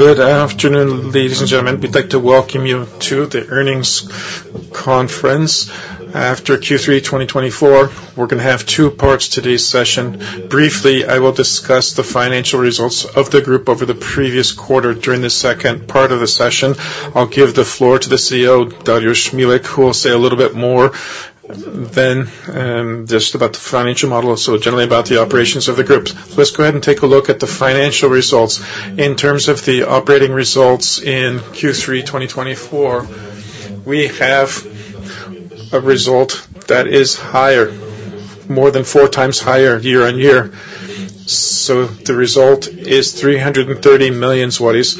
Good afternoon, ladies and gentlemen. We'd like to welcome you to the earnings conference after Q3 2024. We're going to have two parts to this session. Briefly, I will discuss the financial results of the group over the previous quarter during the second part of the session. I'll give the floor to the CEO, Dariusz Miłek, who will say a little bit more than just about the financial model, so generally about the operations of the group. Let's go ahead and take a look at the financial results. In terms of the operating results in Q3 2024, we have a result that is higher, more than four times higher year-on-year. So the result is 330 million zlotys,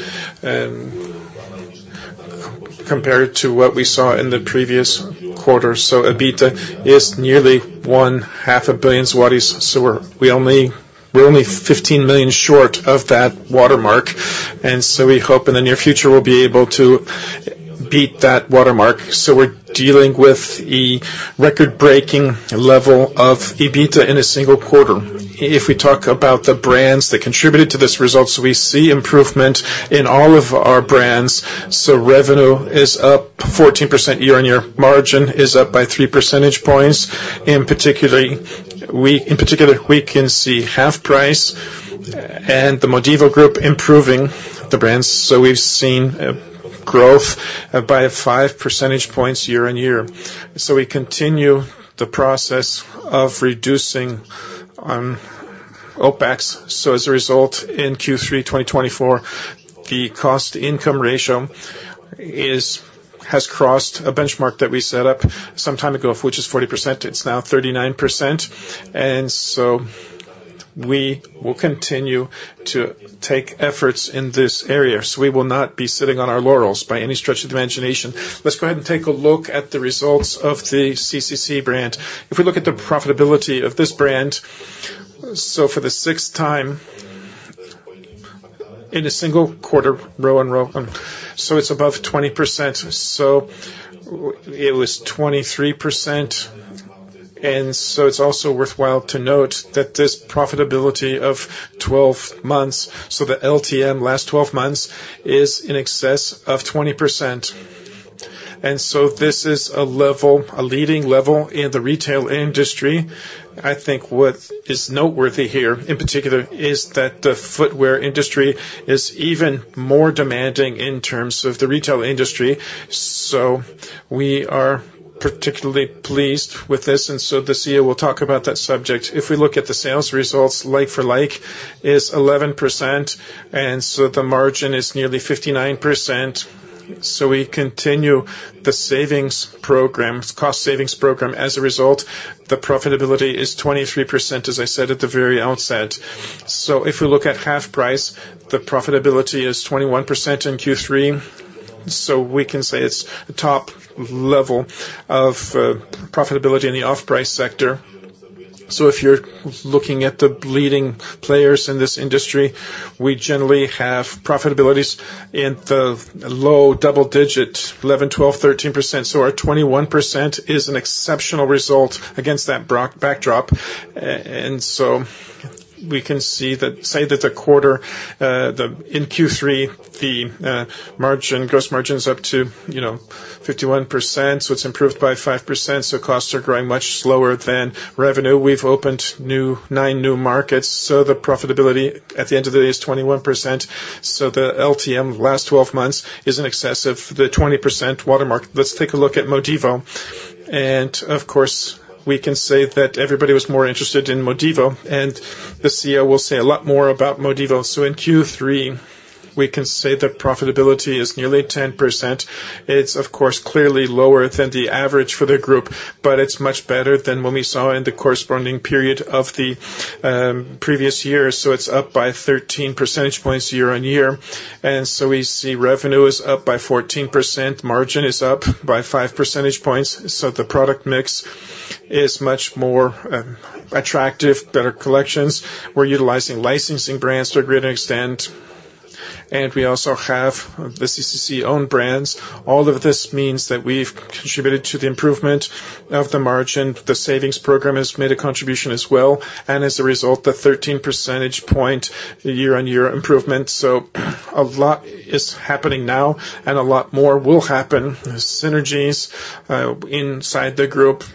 compared to what we saw in the previous quarter. So EBITDA is nearly 500 million zlotys, so we're only 15 million short of that watermark. We hope in the near future we'll be able to beat that watermark. We're dealing with a record-breaking level of EBITDA in a single quarter. If we talk about the brands that contributed to this result, we see improvement in all of our brands. Revenue is up 14% year-on-year, margin is up by three percentage points. In particular, we can see HalfPrice and the MODIVO Group improving the brands. We've seen growth by five percentage points year-on-year. We continue the process of reducing OpEx. As a result, in Q3 2024, the cost-to-income ratio has crossed a benchmark that we set up some time ago, which is 40%. It's now 39%. We will continue to take efforts in this area. We will not be sitting on our laurels by any stretch of the imagination. Let's go ahead and take a look at the results of the CCC brand. If we look at the profitability of this brand, so for the sixth time in a single quarter, row on row, so it's above 20%. It was 23%. It's also worthwhile to note that this profitability of 12 months, so the LTM last 12 months is in excess of 20%. This is a leading level in the retail industry. I think what is noteworthy here, in particular, is that the footwear industry is even more demanding in terms of the retail industry. We are particularly pleased with this. The CEO will talk about that subject. If we look at the sales results, like-for-like is 11%, the margin is nearly 59%. We continue the cost savings program. As a result, the profitability is 23%, as I said at the very outset. So if we look at HalfPrice, the profitability is 21% in Q3, so we can say it's top level of profitability in the off-price sector. So if you're looking at the leading players in this industry, we generally have profitabilities in the low double digit, 11%, 12%, 13%. So our 21% is an exceptional result against that backdrop, and so we can say that the quarter in Q3, the gross margin is up to 51%. So it's improved by 5%. So costs are growing much slower than revenue. We've opened nine new markets so the profitability at the end of the day is 21%. So the LTM last 12 months is in excess of the 20% watermark. Let's take a look at MODIVO. Of course, we can say that everybody was more interested in MODIVO. The CEO will say a lot more about MODIVO. In Q3, we can say the profitability is nearly 10%. It's, of course, clearly lower than the average for the group, but it's much better than what we saw in the corresponding period of the previous year. It's up by 13 percentage points year-on-year. We see revenue is up by 14%, margin is up by 5 percentage points, the product mix is much more attractive, better collections. We're utilizing licensing brands to a greater extent. We also have the CCC-owned brands. All of this means that we've contributed to the improvement of the margin. The savings program has made a contribution as well. As a result, the 13 percentage point year-on-year improvement. So a lot is happening now and a lot more will happen. Synergies inside the group,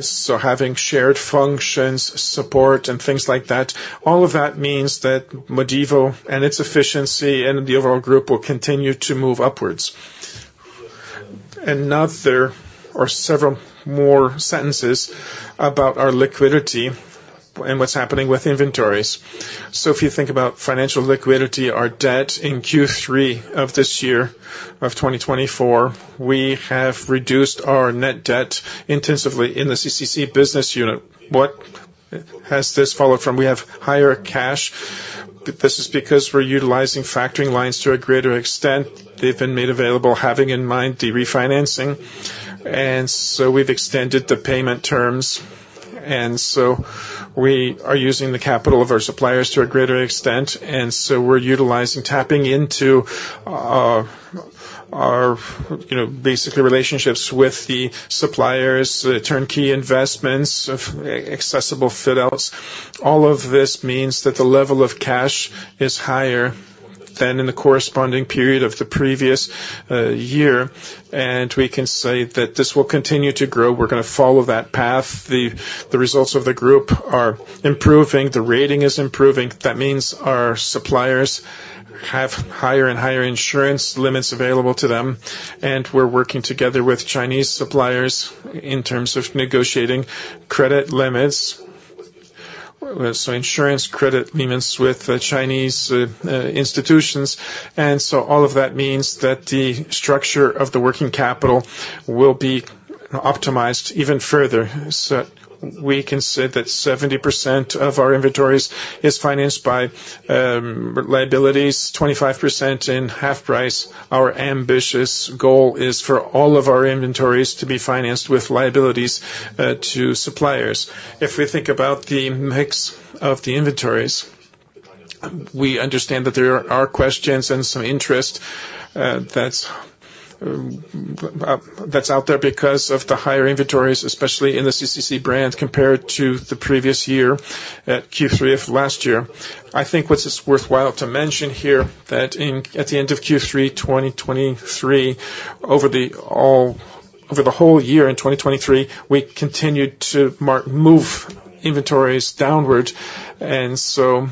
so having shared functions, support, and things like that, all of that means that MODIVO and its efficiency and the overall group will continue to move upwards. Another or several more sentences about our liquidity and what's happening with inventories. So if you think about financial liquidity, our debt in Q3 of this year of 2024, we have reduced our net debt intensively in the CCC business unit. What has this followed from? We have higher cash. This is because we're utilizing factoring lines to a greater extent. They've been made available having in mind the refinancing. And so we've extended the payment terms. And so we are using the capital of our suppliers to a greater extent. And so we're utilizing tapping into our basically relationships with the suppliers, turnkey investments, accessible fit-outs. All of this means that the level of cash is higher than in the corresponding period of the previous year. And we can say that this will continue to grow. We're going to follow that path. The results of the group are improving. The rating is improving. That means our suppliers have higher and higher insurance limits available to them, and we're working together with Chinese suppliers in terms of negotiating credit limits. So insurance credit limits with Chinese institutions and so all of that means that the structure of the working capital will be optimized even further. So we can say that 70% of our inventories is financed by liabilities, 25% in HalfPrice. Our ambitious goal is for all of our inventories to be financed with liabilities to suppliers. If we think about the mix of the inventories, we understand that there are questions and some interest that's out there because of the higher inventories, especially in the CCC brand compared to the previous year at Q3 of last year. I think what's worthwhile to mention here that at the end of Q3 2023, over the whole year in 2023, we continued to move inventories downward, and so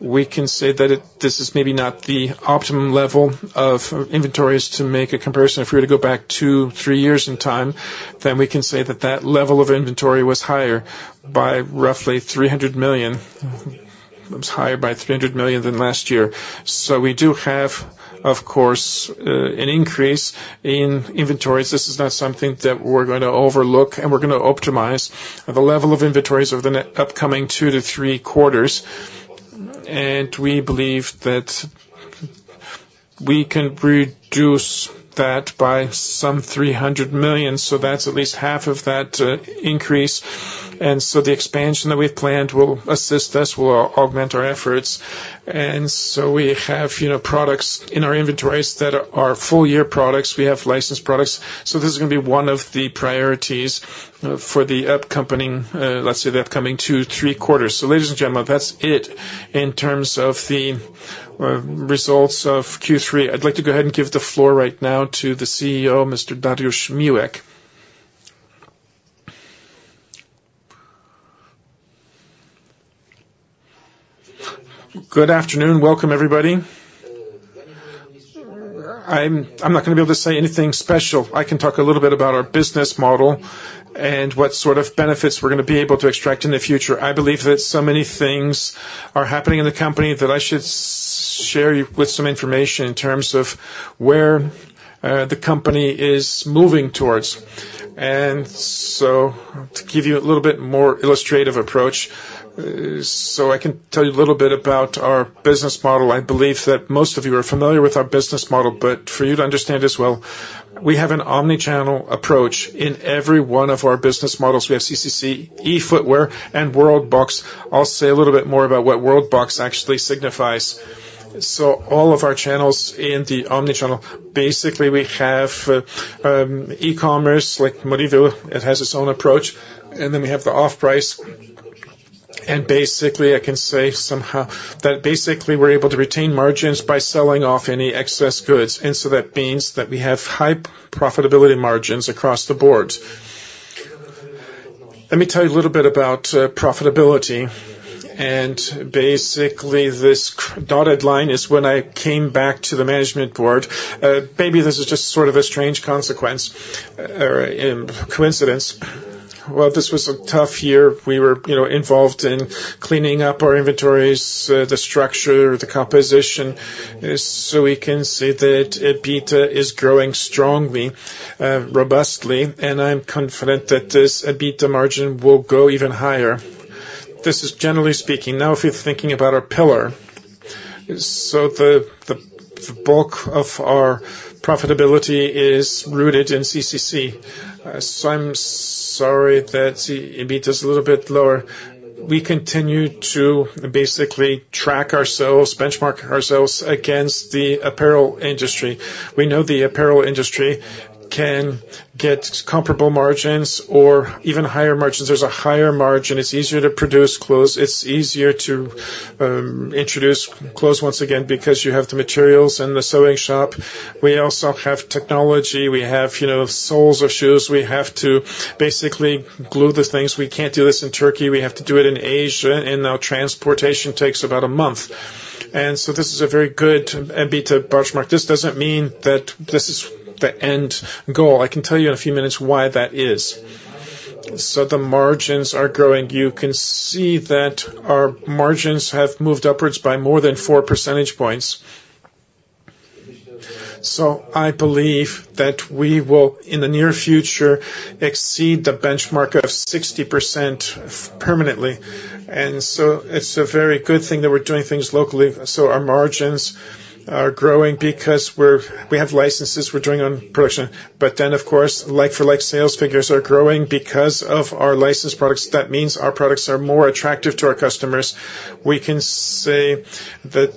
we can say that this is maybe not the optimum level of inventories to make a comparison. If we were to go back two, three years in time, then we can say that that level of inventory was higher by roughly 300 million. It was higher by 300 million than last year, so we do have, of course, an increase in inventories. This is not something that we're going to overlook, and we're going to optimize the level of inventories over the upcoming two to three quarters. And we believe that we can reduce that by some 300 million. So that's at least half of that increase and so the expansion that we've planned will assist us, will augment our efforts. And so we have products in our inventories that are full-year products. We have licensed products, so this is going to be one of the priorities for the upcoming, let's say, the upcoming two, three quarters. So ladies and gentlemen, that's it in terms of the results of Q3. I'd like to go ahead and give the floor right now to the CEO, Mr. Dariusz Miłek. Good afternoon. Welcome, everybody. I'm not going to be able to say anything special. I can talk a little bit about our business model and what sort of benefits we're going to be able to extract in the future. I believe that so many things are happening in the company that I should share some information in terms of where the company is moving towards. And so to give you a little bit more illustrative approach, so I can tell you a little bit about our business model. I believe that most of you are familiar with our business model, but for you to understand as well, we have an omnichannel approach in every one of our business models. We have CCC eobuwie.pl and Worldbox. I'll say a little bit more about what Worldbox actually signifies. So all of our channels in the omnichannel, basically, we have e-commerce like MODIVO. It has its own approach and then we have the off-price. Basically, I can say somehow that basically we're able to retain margins by selling off any excess goods, and so that means that we have high profitability margins across the board. Let me tell you a little bit about profitability. Basically, this dotted line is when I came back to the management board. Maybe this is just sort of a strange consequence or coincidence. This was a tough year. We were involved in cleaning up our inventories, the structure, the composition, so we can say that EBITDA is growing strongly, robustly. I'm confident that this EBITDA margin will go even higher. This is generally speaking. Now, if you're thinking about our pillar, so the bulk of our profitability is rooted in CCC, so I'm sorry that EBITDA is a little bit lower. We continue to basically track ourselves, benchmark ourselves against the apparel industry. We know the apparel industry can get comparable margins or even higher margins. There's a higher margin. It's easier to produce clothes. It's easier to introduce clothes once again because you have the materials in the sewing shop. We also have technology. We have soles of shoes. We have to basically glue the things. We can't do this in Turkey. We have to do it in Asia, and now transportation takes about a month, and so this is a very good EBITDA benchmark. This doesn't mean that this is the end goal. I can tell you in a few minutes why that is, so the margins are growing. You can see that our margins have moved upwards by more than 4 percentage points, so I believe that we will, in the near future, exceed the benchmark of 60% permanently. And so it's a very good thing that we're doing things locally. So our margins are growing because we have licenses we're doing on production. But then, of course, like-for-like sales figures are growing because of our licensed products. That means our products are more attractive to our customers. We can say that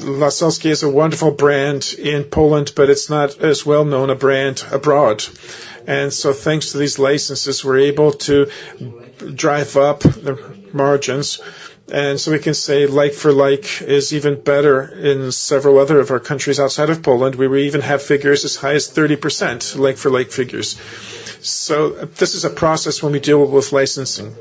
Lasocki is a wonderful brand in Poland, but it's not as well-known a brand abroad. And so thanks to these licenses, we're able to drive up the margins and so we can say like-for-like is even better in several other of our countries outside of Poland. We even have figures as high as 30% like-for-like figures. So this is a process when we deal with licensing.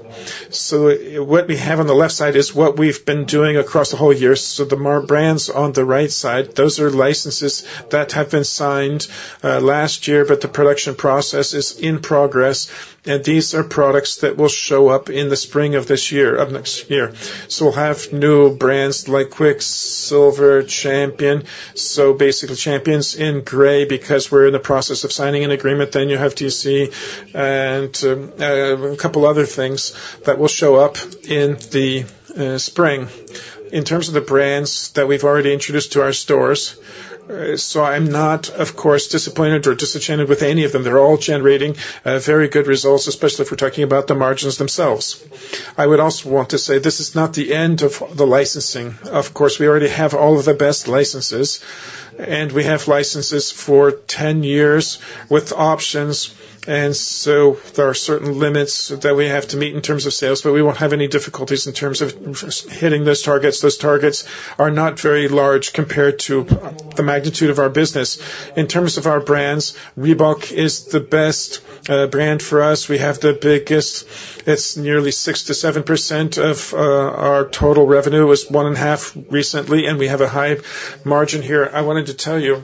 So what we have on the left side is what we've been doing across the whole year. So the brands on the right side, those are licenses that have been signed last year, but the production process is in progress. And these are products that will show up in the spring of this year, of next year. So we'll have new brands like Quiksilver Champion. So basically Champions in gray because we're in the process of signing an agreement. Then you have DC and a couple of other things that will show up in the spring. In terms of the brands that we've already introduced to our stores, so I'm not, of course, disappointed or disenchanted with any of them. They're all generating very good results, especially if we're talking about the margins themselves. I would also want to say this is not the end of the licensing. Of course, we already have all of the best licenses, and we have licenses for 10 years with options, and so there are certain limits that we have to meet in terms of sales, but we won't have any difficulties in terms of hitting those targets. Those targets are not very large compared to the magnitude of our business. In terms of our brands, Reebok is the best brand for us. We have the biggest. It's nearly 6%-7% of our total revenue was one and a half recently, and we have a high margin here. I wanted to tell you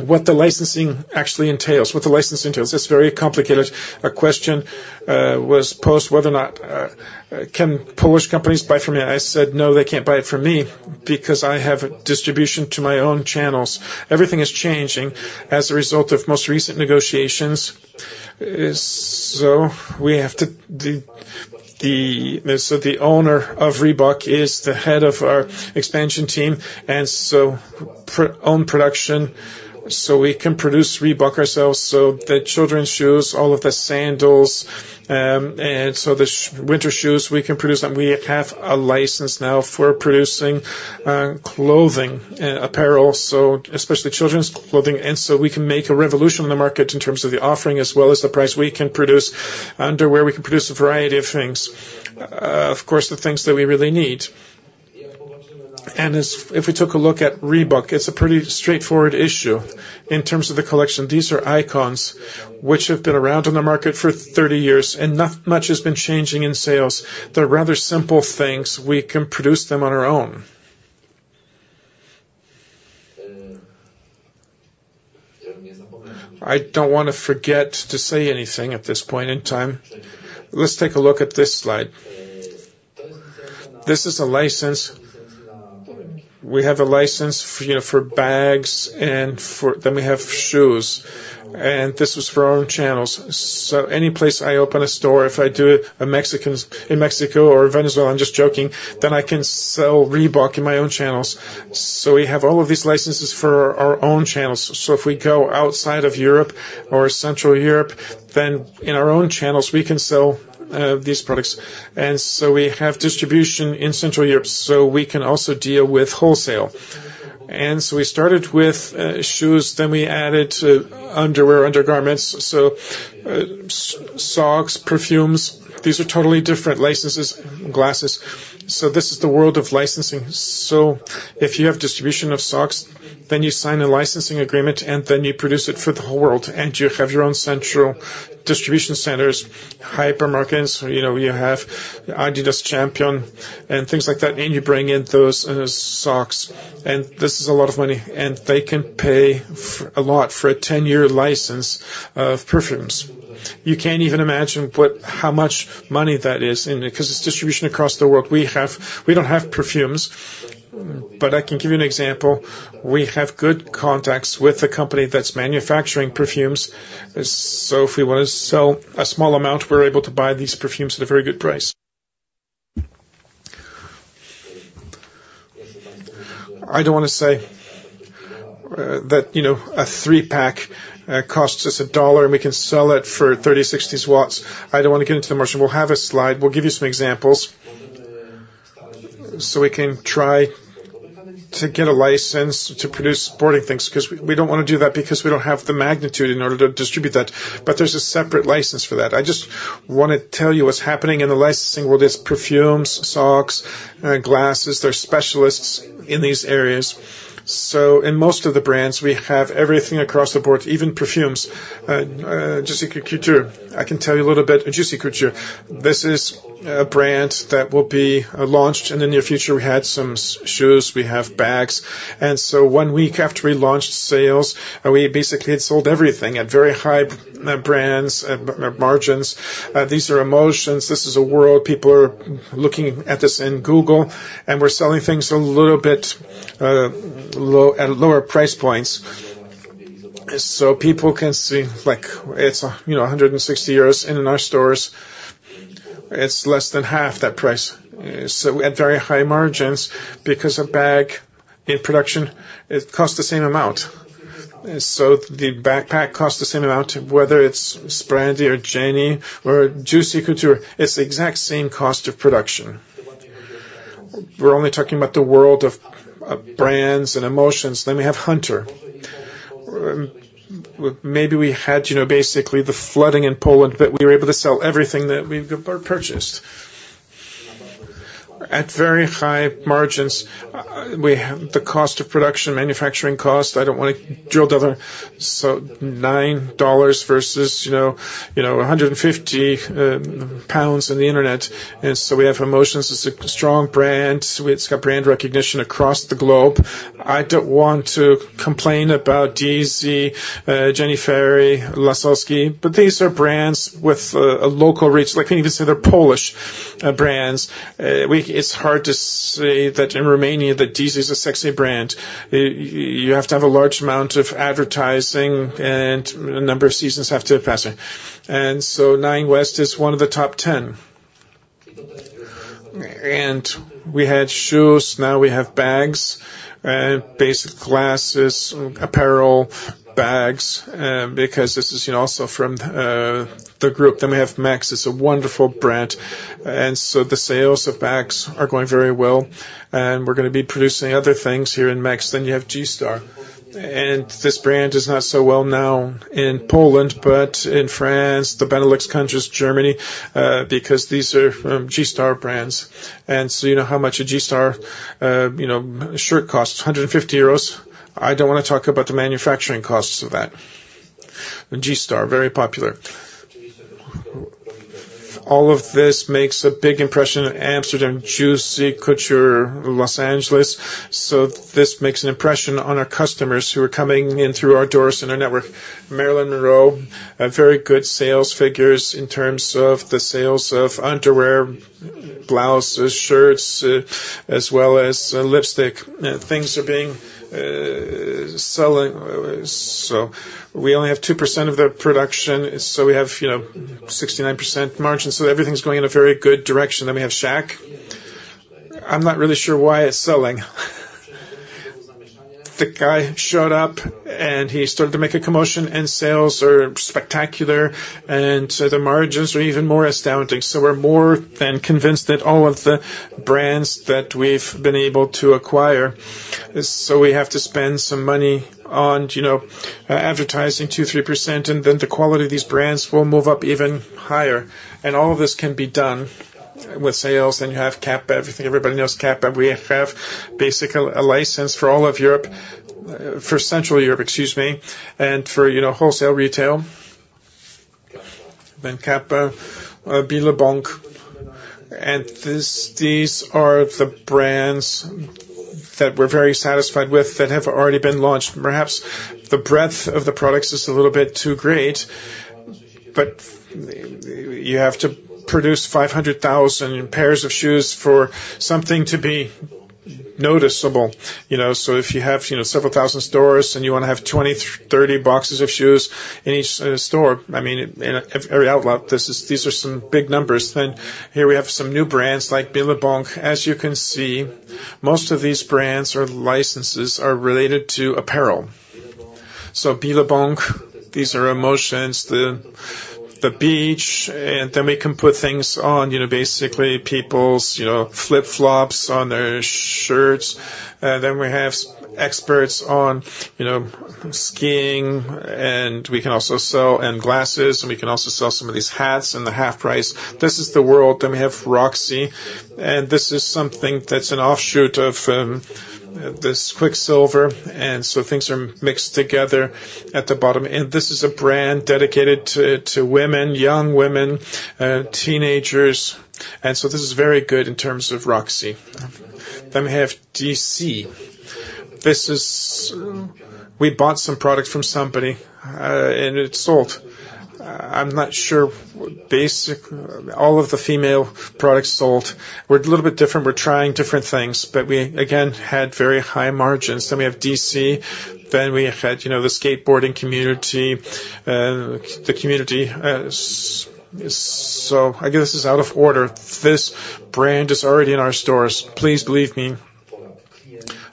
what the licensing actually entails. What the licensing entails. It's very complicated. A question was posed whether or not can Polish companies buy from me. I said, "No, they can't buy it from me because I have distribution to my own channels." Everything is changing as a result of most recent negotiations, so we have to. The owner of Reebok is the head of our expansion team and so own production, so we can produce Reebok ourselves. The children's shoes, all of the sandals, and the winter shoes, we can produce them. We have a license now for producing clothing and apparel, so especially children's clothing, and we can make a revolution in the market in terms of the offering as well as the price. We can produce underwear. We can produce a variety of things, of course, the things that we really need, and if we took a look at Reebok, it's a pretty straightforward issue in terms of the collection. These are icons which have been around on the market for 30 years, and not much has been changing in sales. They're rather simple things. We can produce them on our own. I don't want to forget to say anything at this point in time. Let's take a look at this slide. This is a license. We have a license for bags, and then we have shoes, and this was for our own channels, so any place I open a store, if I do a Mexican in Mexico or Venezuela, I'm just joking. Then I can sell Reebok in my own channels, so we have all of these licenses for our own channels, so if we go outside of Europe or Central Europe, then in our own channels, we can sell these products, and so we have distribution in Central Europe, so we can also deal with wholesale. And so we started with shoes, then we added underwear, undergarments, so socks, perfumes. These are totally different licenses, glasses. So this is the world of licensing. So if you have distribution of socks, then you sign a licensing agreement, and then you produce it for the whole world. And you have your own central distribution centers, hypermarkets. You have Adidas, Champion and things like that, and you bring in those socks. And this is a lot of money, and they can pay a lot for a 10-year license of perfumes. You can't even imagine how much money that is because it's distribution across the world. We don't have perfumes, but I can give you an example. We have good contacts with a company that's manufacturing perfumes. So if we want to sell a small amount, we're able to buy these perfumes at a very good price. I don't want to say that a three-pack costs us $1, and we can sell it for 30-60. I don't want to get into the margin. We'll have a slide. We'll give you some examples so we can try to get a license to produce sporting things because we don't want to do that because we don't have the magnitude in order to distribute that. But there's a separate license for that. I just want to tell you what's happening in the licensing world. There's perfumes, socks, glasses. There are specialists in these areas. So in most of the brands, we have everything across the board, even perfumes. Jessica Simpson, I can tell you a little bit of Jessica Simpson. This is a brand that will be launched in the near future. We had some shoes, we have bags. And so one week after we launched sales, we basically had sold everything at very high brands, margins. These are emotions, this is a world people are looking at this in Google, and we're selling things a little bit at lower price points. So people can see it's 160 in our stores, it's less than half that price. So we had very high margins because a bag in production, it costs the same amount. So the backpack costs the same amount, whether it's Sprandi or Jenny or Jessica it's the exact same cost of production. We're only talking about the world of brands and emotions then we have Hunter. Maybe we had basically the flooding in Poland, but we were able to sell everything that we purchased at very high margins. The cost of production, manufacturing cost, I don't want to drill down. So $9 versus 150 pounds on the internet and so we have emotions. It's a strong brand it's got brand recognition across the globe. I don't want to complain about DeeZee, Jenny Fairy, Lasocki, but these are brands with a local reach. I can even say they're Polish brands. It's hard to say that in Romania that DeeZee is a sexy brand. You have to have a large amount of advertising, and a number of seasons have to pass. And so Nine West is one of the top 10. And we had shoes, now we have bags, basic glasses, apparel, bags, because this is also from the group. Then we have Mexx it's a wonderful brand. And so the sales of bags are going very well. And we're going to be producing other things here in Mexx then you have G-STAR. This brand is not so well known in Poland, but in France, the Benelux countries, Germany, because these are G-STAR brands. And so you know how much a G-Star shirt costs? 150 euros. I don't want to talk about the manufacturing costs of that. G-STAR, very popular. All of this makes a big impression in Amsterdam, Juicy Couture, Los Angeles. So this makes an impression on our customers who are coming in through our doors in our network. Marilyn Monroe, very good sales figures in terms of the sales of underwear, blouses, shirts, as well as lipstick. Things are being selling. So we only have 2% of the production. So we have 69% margin, so everything's going in a very good direction. Then we have Shaq. I'm not really sure why it's selling. The guy showed up, and he started to make a commotion, and sales are spectacular, and the margins are even more astounding. We're more than convinced that all of the brands that we've been able to acquire. We have to spend some money on advertising, 2%-3%, and then the quality of these brands will move up even higher. All of this can be done with sales. Then you have Kappa, everything. Everybody knows Kappa. We have basically a license for all of Europe, for Central Europe, excuse me, and for wholesale retail. Then Kappa, Billabong. These are the brands that we're very satisfied with that have already been launched. Perhaps the breadth of the products is a little bit too great, but you have to produce 500,000 pairs of shoes for something to be noticeable. If you have several thousand stores and you want to have 20, 30 boxes of shoes in each store, I mean, every outlet, these are some big numbers. Then here we have some new brands like Billabong. As you can see, most of these brands or licenses are related to apparel. Billabong, these are emotions, the beach, and then we can put things on, basically people's flip-flops on their shirts. Then we have experts on skiing, and we can also sell glasses, and we can also sell some of these hats in the HalfPrice. This is the world. Then we have Roxy, and this is something that's an offshoot of Quiksilver. Things are mixed together at the bottom. This is a brand dedicated to women, young women, teenagers. This is very good in terms of Roxy. Then we have DC. We bought some products from somebody, and it sold. I'm not sure all of the female products sold, we're a little bit different. We're trying different things, but we, again, had very high margins. Then we have DC. Then we had the skateboarding community, the community, so I guess this is out of order. This brand is already in our stores. Please believe me,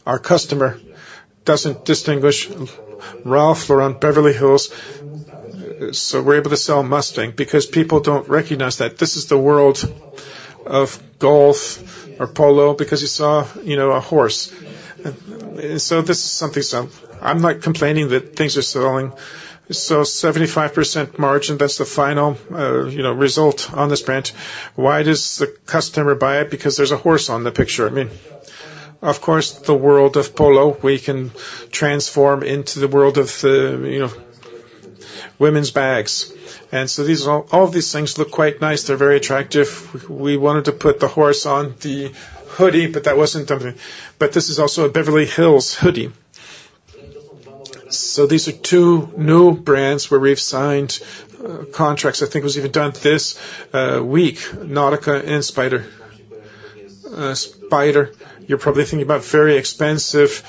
our customer doesn't distinguish Ralph Lauren, Beverly Hills, so we're able to sell Mustang because people don't recognize that. This is the world of golf or polo because you saw a horse. So this is something I'm not complaining that things are selling. So 75% margin, that's the final result on this brand. Why does the customer buy it? Because there's a horse on the picture. I mean, of course, the world of polo, we can transform into the world of women's bags. All of these things look quite nice, they're very attractive. We wanted to put the horse on the hoodie, but that wasn't done to me. But this is also a Beverly Hills hoodie. These are two new brands where we've signed contracts. I think it was even done this week, Nautica and Spyder. Spyder, you're probably thinking about very expensive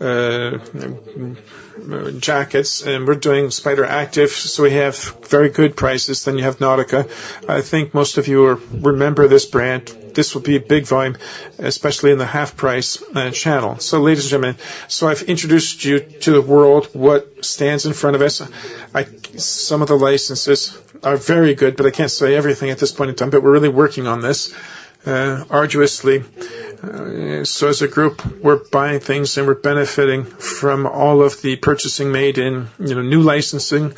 jackets, and we're doing Spyder Active. We have very good prices. Then you have Nautica. I think most of you remember this brand. This will be a big volume, especially in the HalfPrice channel. Ladies and gentlemen, I've introduced you to the world what stands in front of us. Some of the licenses are very good, but I can't say everything at this point in time, but we're really working on this arduously. As a group, we're buying things, and we're benefiting from all of the purchasing made in new licensing.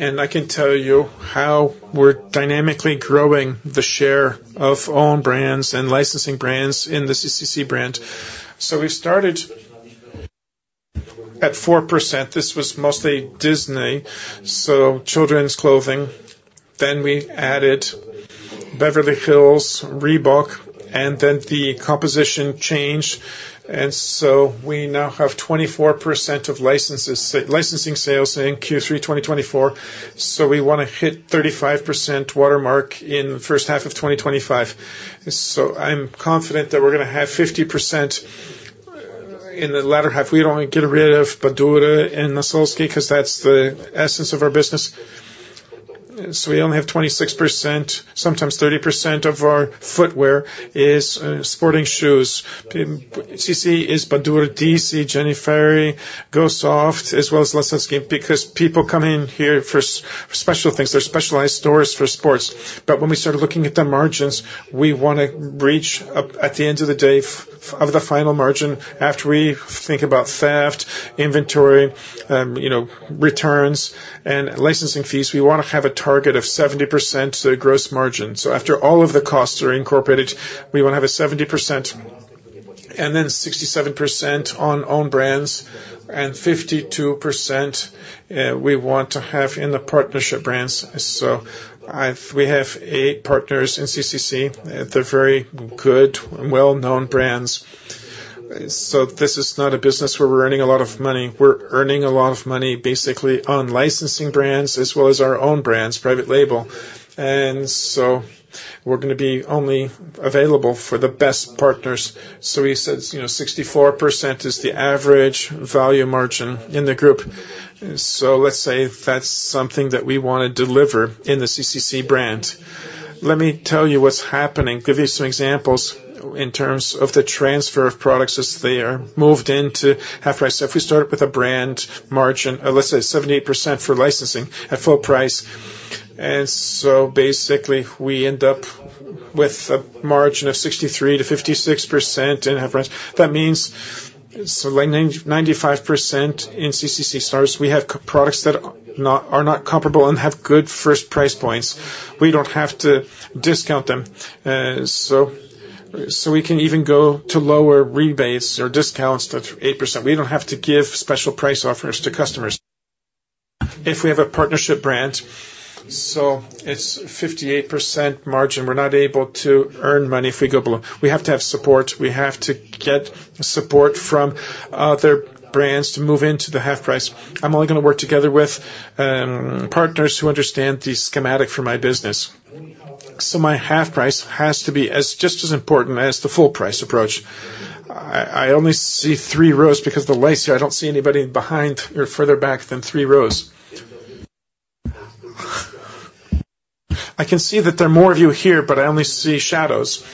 I can tell you how we're dynamically growing the share of own brands and licensing brands in the CCC brand. We started at 4%. This was mostly Disney, so children's clothing, then we added Beverly Hills, Reebok, and then the composition changed. We now have 24% of licensing sales in Q3 2024. We want to hit 35% watermark in the first half of 2025. I'm confident that we're going to have 50% in the latter half. We don't want to get rid of Badura and Lasocki because that's the essence of our business. We only have 26%, sometimes 30% of our footwear is sporting shoes. CCC is Badura, DC, Jenny Fairy, Go Soft, as well as Lasocki because people come in here for special things. They're specialized stores for sports. But when we start looking at the margins, we want to reach at the end of the day of the final margin after we think about theft, inventory, returns, and licensing fees. We want to have a target of 70% gross margin. So after all of the costs are incorporated, we want to have a 70% and then 67% on own brands and 52% we want to have in the partnership brands. So we have eight partners in CCC. They're very good, well-known brands. So this is not a business where we're earning a lot of money. We're earning a lot of money basically on licensing brands as well as our own brands, private label. We're going to be only available for the best partners. He says 64% is the average value margin in the group. Let's say that's something that we want to deliver in the CCC brand. Let me tell you what's happening, give you some examples in terms of the transfer of products as they are moved into HalfPrice. If we start with a brand margin, let's say 78% for licensing at full price. Basically, we end up with a margin of 63%-56% in HalfPrice. That means 95% in CCC stores, we have products that are not comparable and have good first price points. We don't have to discount them. We can even go to lower rebates or discounts to 8%. We don't have to give special price offers to customers. If we have a partnership brand, so it's 58% margin. We're not able to earn money if we go below. We have to have support. We have to get support from other brands to move into the HalfPrice. I'm only going to work together with partners who understand the schematic for my business. So my HalfPrice has to be just as important as the full price approach. I only see three rows because the lights here. I don't see anybody behind or further back than three rows. I can see that there are more of you here, but I only see shadows.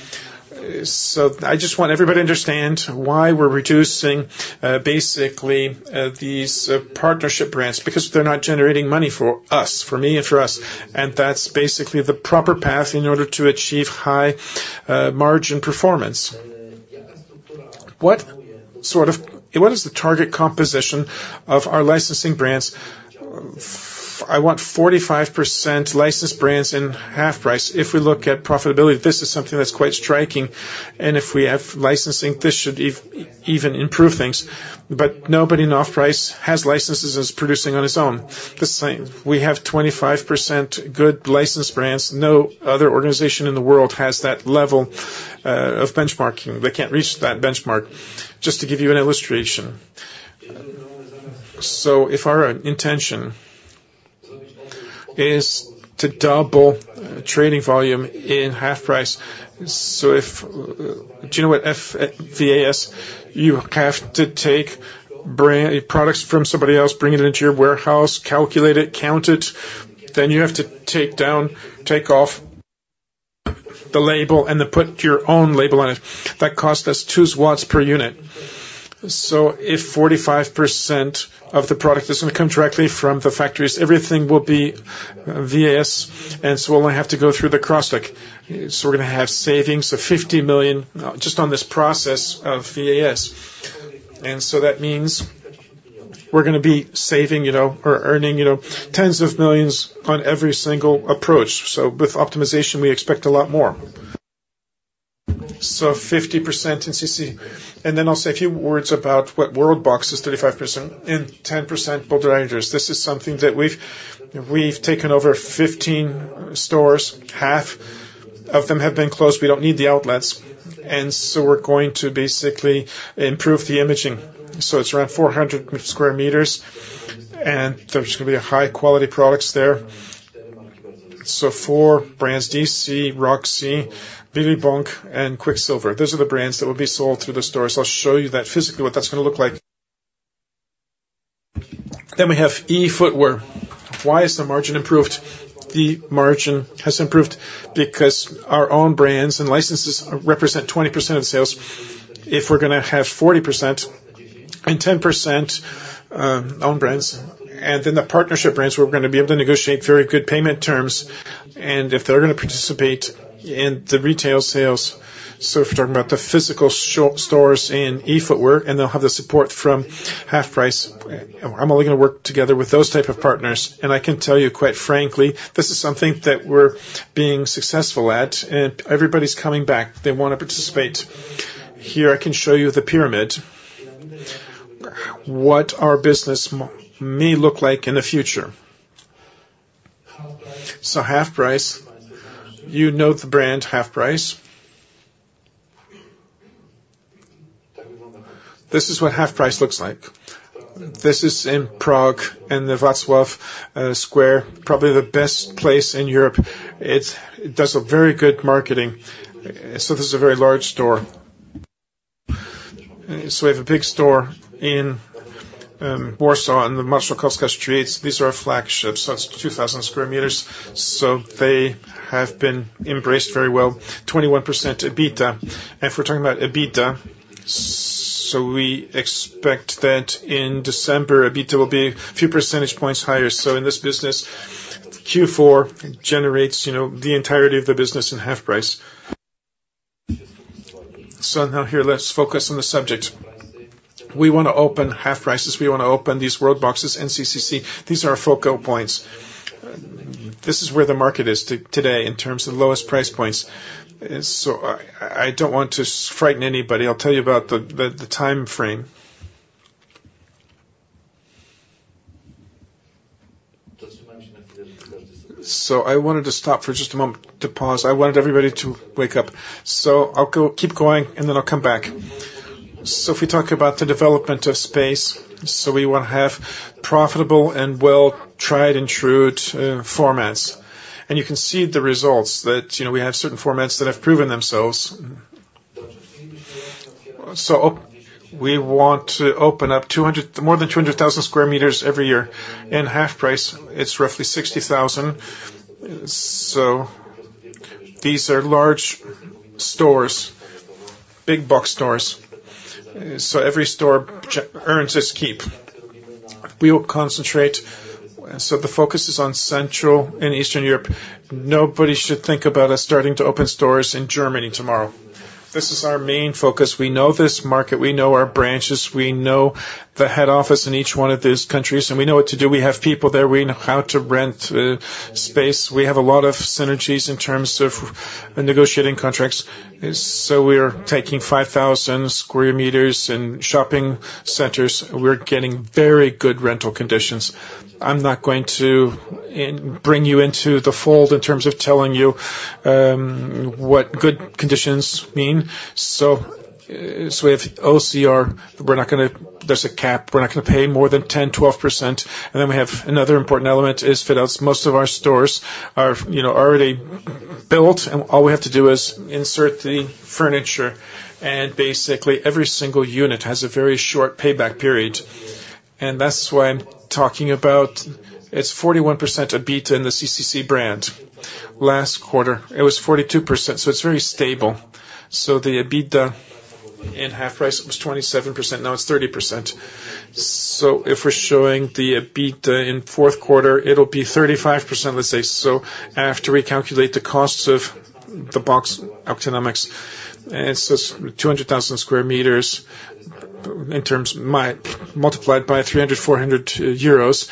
So I just want everybody to understand why we're reducing basically these partnership brands because they're not generating money for us, for me and for us. And that's basically the proper path in order to achieve high margin performance. What is the target composition of our licensed brands? I want 45% licensed brands in HalfPrice. If we look at profitability, this is something that's quite striking, and if we have licensing, this should even improve things, but nobody in off-price has licenses and is producing on his own. We have 25% good licensed brands. No other organization in the world has that level of benchmark. They can't reach that benchmark, just to give you an illustration. So if our intention is to double trading volume in HalfPrice, so if you know what, for VAS, you have to take products from somebody else, bring it into your warehouse, calculate it, count it, then you have to take off the label and then put your own label on it. That costs us 2 per unit. So if 45% of the product is going to come directly from the factories, everything will be VAS. We'll only have to go through the cross-check. We're going to have savings of 50 million just on this process of VAS. That means we're going to be saving or earning tens of millions on every single approach. With optimization, we expect a lot more. 50% in CCC. I'll say a few words about what Worldbox is, 35%, and 10% Boardriders. This is something that we've taken over 15 stores. Half of them have been closed we don't need the outlets. We're going to basically improve the assortment. It's around 400m², and there's going to be high-quality products there. Four brands, DC, Roxy, Billabong, and Quiksilver. Those are the brands that will be sold through the stores. I'll show you that physically, what that's going to look like. Then we have eFootwear. Why is the margin improved? The margin has improved because our own brands and licenses represent 20% of sales. If we're going to have 40% and 10% own brands, and then the partnership brands, we're going to be able to negotiate very good payment terms. And if they're going to participate in the retail sales, so if we're talking about the physical stores in eFootwear, and they'll have the support from HalfPrice, I'm only going to work together with those types of partners. And I can tell you quite frankly, this is something that we're being successful at, and everybody's coming back. They want to participate. Here, I can show you the pyramid, what our business may look like in the future. So HalfPrice, you know the brand HalfPrice. This is what HalfPrice looks like. This is in Prague and the Wenceslas Square, probably the best place in Europe. It does very good marketing. So this is a very large store. So we have a big store in Warsaw on the Marszałkowska Street. These are our flagships. That's 2,000m². So they have been embraced very well, 21% EBITDA. And if we're talking about EBITDA, so we expect that in December, EBITDA will be a few percentage points higher. So in this business, Q4 generates the entirety of the business in HalfPrice. So now here, let's focus on the subject. We want to open HalfPrices, we want to open these Worldboxes and CCC. These are our focal points. This is where the market is today in terms of lowest price points. I don't want to frighten anybody, I'll tell you about the time frame. I wanted to stop for just a moment to pause. I wanted everybody to wake up. I'll keep going, and then I'll come back. If we talk about the development of space, we want to have profitable and well-tried and true formats. You can see the results that we have certain formats that have proven themselves. We want to open up more than 200,000m² every year. In HalfPrice, it's roughly 60,000. These are large stores, big box stores. Every store earns its keep. We will concentrate. The focus is on Central and Eastern Europe. Nobody should think about us starting to open stores in Germany tomorrow. This is our main focus. We know this market, we know our branches. We know the head office in each one of these countries, and we know what to do. We have people there. We know how to rent space. We have a lot of synergies in terms of negotiating contracts, so we are taking 5,000m² in shopping centers. We're getting very good rental conditions. I'm not going to bring you into the fold in terms of telling you what good conditions mean, so we have OCR. We're not going to. There's a cap. We're not going to pay more than 10%-12%, and then we have another important element is fit-outs. Most of our stores are already built, and all we have to do is insert the furniture, and basically, every single unit has a very short payback period, and that's why I'm talking about it's 41% EBITDA in the CCC brand. Last quarter, it was 42%. So it's very stable. So the EBITDA in Half Price was 27% now it's 30%. So if we're showing the EBITDA in fourth quarter, it'll be 35%, let's say. So after we calculate the costs of the box economics, it's 200,000m² in terms multiplied by 300-400 euros.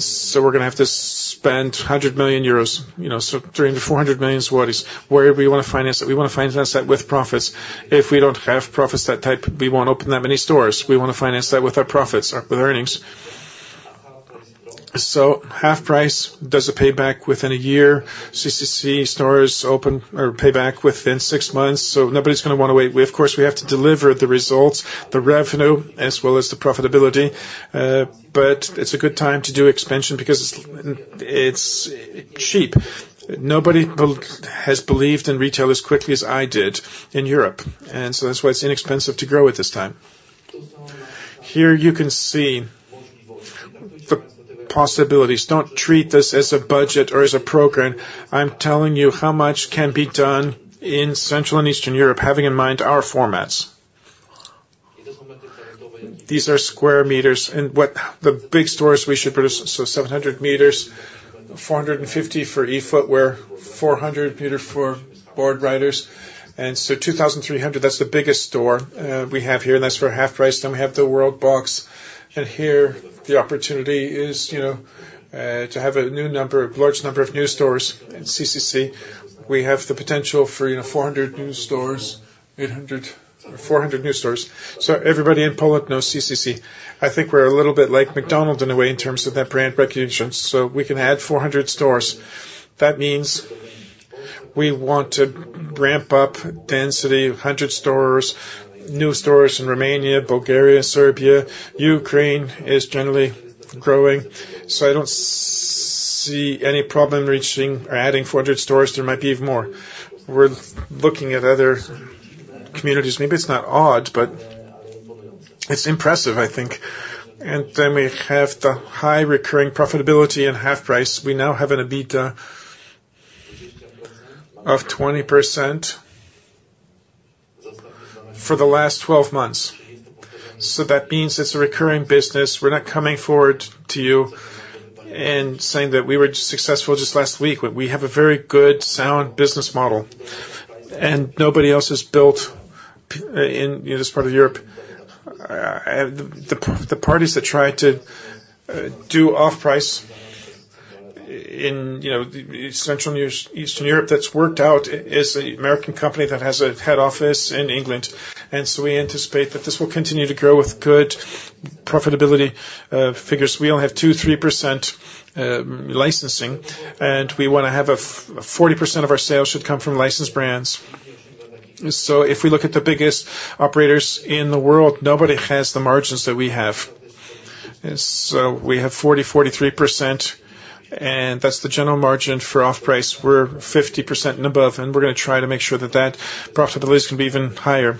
So we're going to have to spend 100 million euros. So 300-400 million is what is. Where do we want to finance that? We want to finance that with profits. If we don't have profits that type, we won't open that many stores. We want to finance that with our profits or with earnings. So HalfPrice does a payback within a year. CCC stores open or pay back within six months. So nobody's going to want to wait. Of course, we have to deliver the results, the revenue, as well as the profitability. But it's a good time to do expansion because it's cheap. Nobody has believed in retail as quickly as I did in Europe, and so that's why it's inexpensive to grow at this time. Here you can see the possibilities. Don't treat this as a budget or as a program. I'm telling you how much can be done in Central and Eastern Europe, having in mind our formats. These are square meters and what the big stores we should produce. So 700m, 450m for eFootwear, 400m for Boardriders. And so 2,300m², that's the biggest store we have here and that's for HalfPrice. Then we have the Worldbox and here, the opportunity is to have a large number of new stores in CCC. We have the potential for 400 new stores. So everybody in Poland knows CCC. I think we're a little bit like McDonald's in a way in terms of that brand recognition. So we can add 400 stores. That means we want to ramp up density, 100 stores, new stores in Romania, Bulgaria, Serbia. Ukraine is generally growing. So I don't see any problem reaching or adding 400 stores. There might be even more. We're looking at other communities. Maybe it's not odd, but it's impressive, I think. And then we have the high recurring profitability in HalfPrice. We now have an EBITDA of 20% for the last 12 months. So that means it's a recurring business. We're not coming forward to you and saying that we were successful just last week. We have a very good, sound business model. And nobody else has built in this part of Europe. The parties that try to do off-price in Central and Eastern Europe, that's worked out is an American company that has a head office in England, and so we anticipate that this will continue to grow with good profitability figures. We only have 2%-3% licensing, and we want to have 40% of our sales should come from licensed brands. So if we look at the biggest operators in the world, nobody has the margins that we have. So we have 40%-43%, and that's the general margin for off-price. We're 50% and above, and we're going to try to make sure that that profitability is going to be even higher.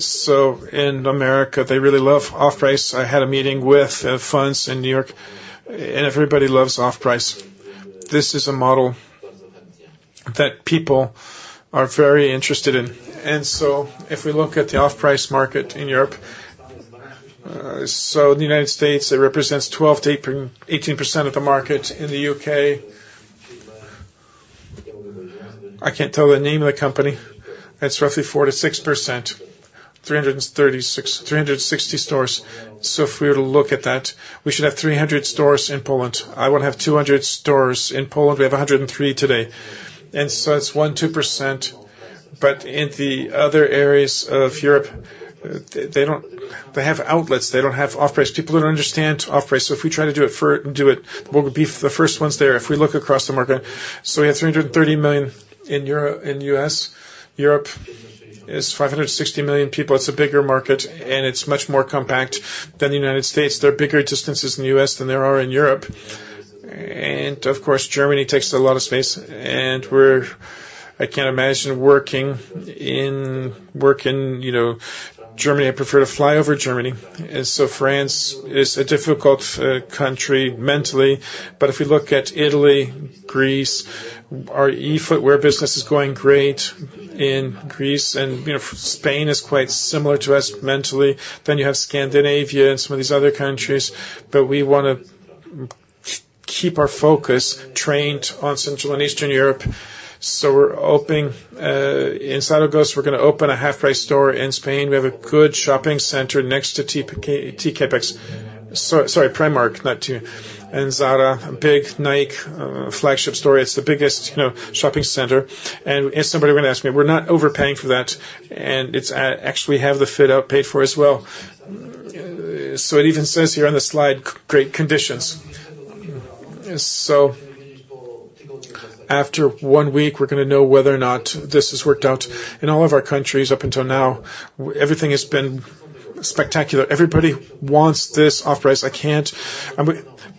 So in America, they really love off-price. I had a meeting with funds in New York, and everybody loves off-price. This is a model that people are very interested in. If we look at the off-price market in Europe, in the United States, it represents 12%-18% of the market. In the U.K., I can't tell the name of the company. It's roughly 4%-6%, 360 stores. If we were to look at that, we should have 300 stores in Poland. I want to have 200 stores in Poland. We have 103 today. It's 1%-2%, but in the other areas of Europe, they have outlets. They don't have off-price. People don't understand off-price. If we try to do it, we'll be the first ones there if we look across the market. We have 330 million in the U.S. Europe is 560 million people. It's a bigger market, and it's much more compact than the United States. There are bigger distances in the U.S. than there are in Europe and of course, Germany takes a lot of space. And I can't imagine working in Germany. I prefer to fly over Germany. And so France is a difficult country mentally, but if we look at Italy, Greece, our eFootwear business is going great in Greece. And Spain is quite similar to us mentally. Then you have Scandinavia and some of these other countries. But we want to keep our focus trained on Central and Eastern Europe. So we're opening in Zaragoza. We're going to open a HalfPrice store in Spain. We have a good shopping center next to TK Maxx. Sorry, Primark, not to you and Zara, big Nike flagship store. It's the biggest shopping center. And somebody's going to ask me, "We're not overpaying for that." And it's actually have the fit-out paid for as well. So it even says here on the slide, "Great conditions." So after one week, we're going to know whether or not this has worked out. In all of our countries up until now, everything has been spectacular. Everybody wants this off-price. I can't.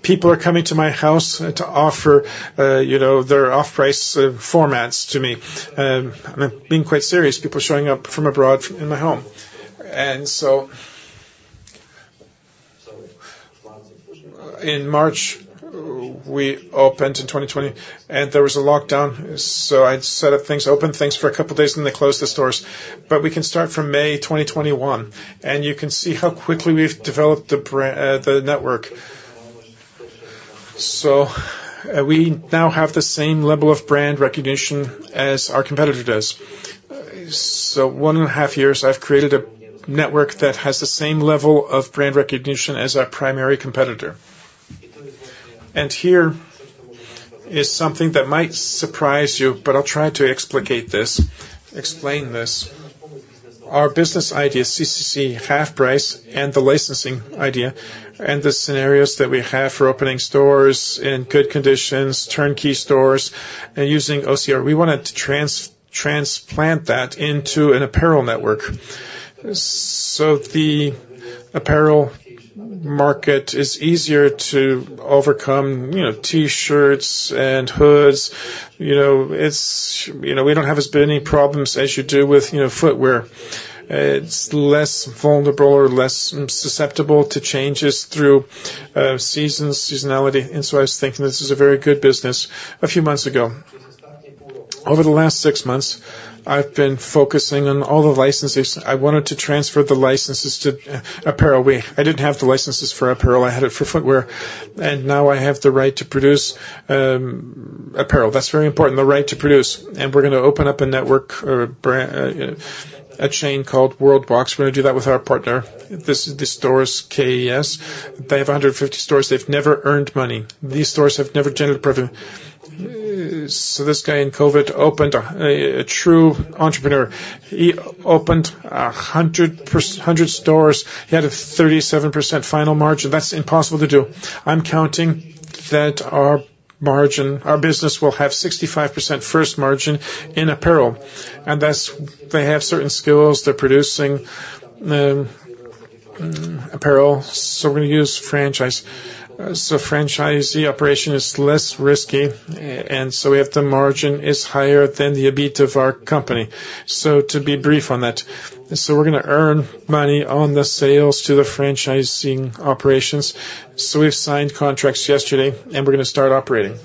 People are coming to my house to offer their off-price formats to me. I'm being quite serious. People are showing up from abroad in my home. And so in March, we opened in 2020, and there was a lockdown. So I'd set up things, open things for a couple of days, and then they closed the stores. But we can start from May 2021, and you can see how quickly we've developed the network. So we now have the same level of brand recognition as our competitor does. One and a half years, I've created a network that has the same level of brand recognition as our primary competitor. Here is something that might surprise you, but I'll try to explicate this, explain this. Our business idea, CCC, HalfPrice and the licensing idea, and the scenarios that we have for opening stores in good conditions, turnkey stores, and using OCR, we want to transplant that into an apparel network. The apparel market is easier to overcome T-shirts and hoods. We don't have as many problems as you do with footwear. It's less vulnerable or less susceptible to changes through seasons, seasonality. I was thinking this is a very good business. A few months ago, over the last six months, I've been focusing on all the licenses. I wanted to transfer the licenses to apparel. I didn't have the licenses for apparel. I had it for footwear, and now I have the right to produce apparel. That's very important, the right to produce. We're going to open up a network, a chain called Worldbox. We're going to do that with our partner. This store is KAES. They have 150 stores. They've never earned money. These stores have never generated profit, so this guy in COVID opened a true entrepreneur. He opened 100 stores, he had a 37% final margin. That's impossible to do. I'm counting that our business will have 65% first margin in apparel. They have certain skills. They're producing apparel, so we're going to use franchise. Franchisee operation is less risky, and so we have the margin is higher than the EBITDA of our company. To be brief on that, we're going to earn money on the sales to the franchising operations. So we've signed contracts yesterday, and we're going to start operating.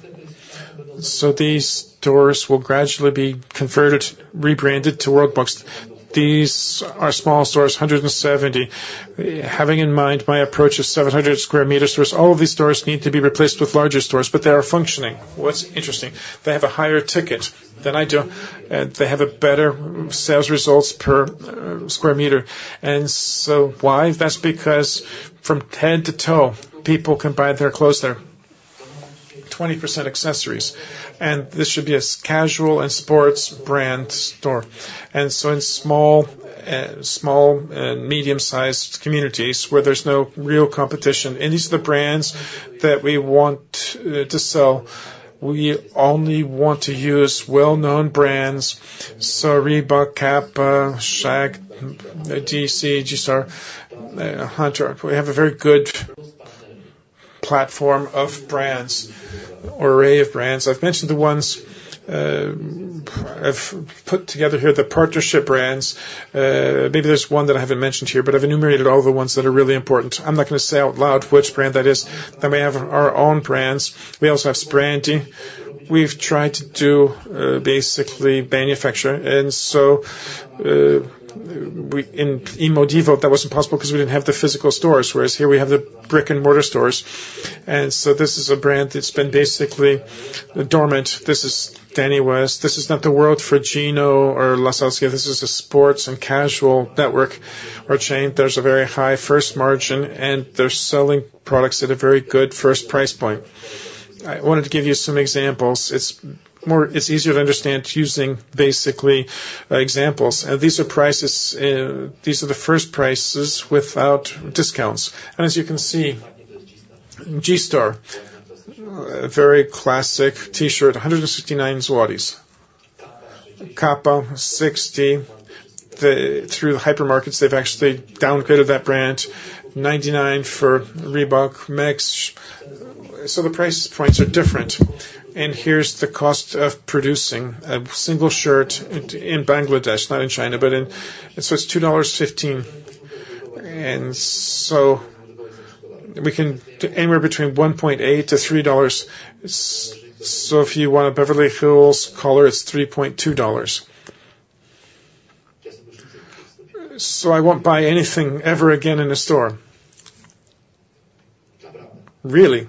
So these stores will gradually be converted, rebranded to Worldbox. These are small stores, 170. Having in mind my approach of 700m², all of these stores need to be replaced with larger stores, but they are functioning. What's interesting, they have a higher ticket than I do. They have better sales results per m². And so why? That's because from head to toe, people can buy their clothes there. 20% accessories. And this should be a casual and sports brand store. And so in small and medium-sized communities where there's no real competition, and these are the brands that we want to sell, we only want to use well-known brands. So Reebok, Kappa, Shaq, DC, G-STAR, Hunter. We have a very good platform of brands, or array of brands. I've mentioned the ones I've put together here, the partnership brands. Maybe there's one that I haven't mentioned here, but I've enumerated all the ones that are really important. I'm not going to say out loud which brand that is. Then we have our own brands. We also have branding. We've tried to do basically manufacture. And so in MODIVO, that wasn't possible because we didn't have the physical stores. Whereas here, we have the brick-and-mortar stores. And so this is a brand that's been basically dormant. This is Nine West. This is not the world for Gino or Lasocki. This is a sports and casual network or chain. There's a very high gross margin, and they're selling products at a very good full price point. I wanted to give you some examples. It's easier to understand using basically examples. And these are prices. These are the first prices without discounts, and as you can see, G-STAR, very classic T-shirt, 169 zlotys. Kappa, 60. Through the hypermarkets, they've actually downgraded that brand. 99 for Reebok. Mexx. So the price points are different, and here's the cost of producing a single shirt in Bangladesh, not in China, but in Asia, so it's $2.15. And so we can do anywhere between $1.8-$3. So if you want a Beverly Hills Polo, it's $3.2. So I won't buy anything ever again in a store. Really?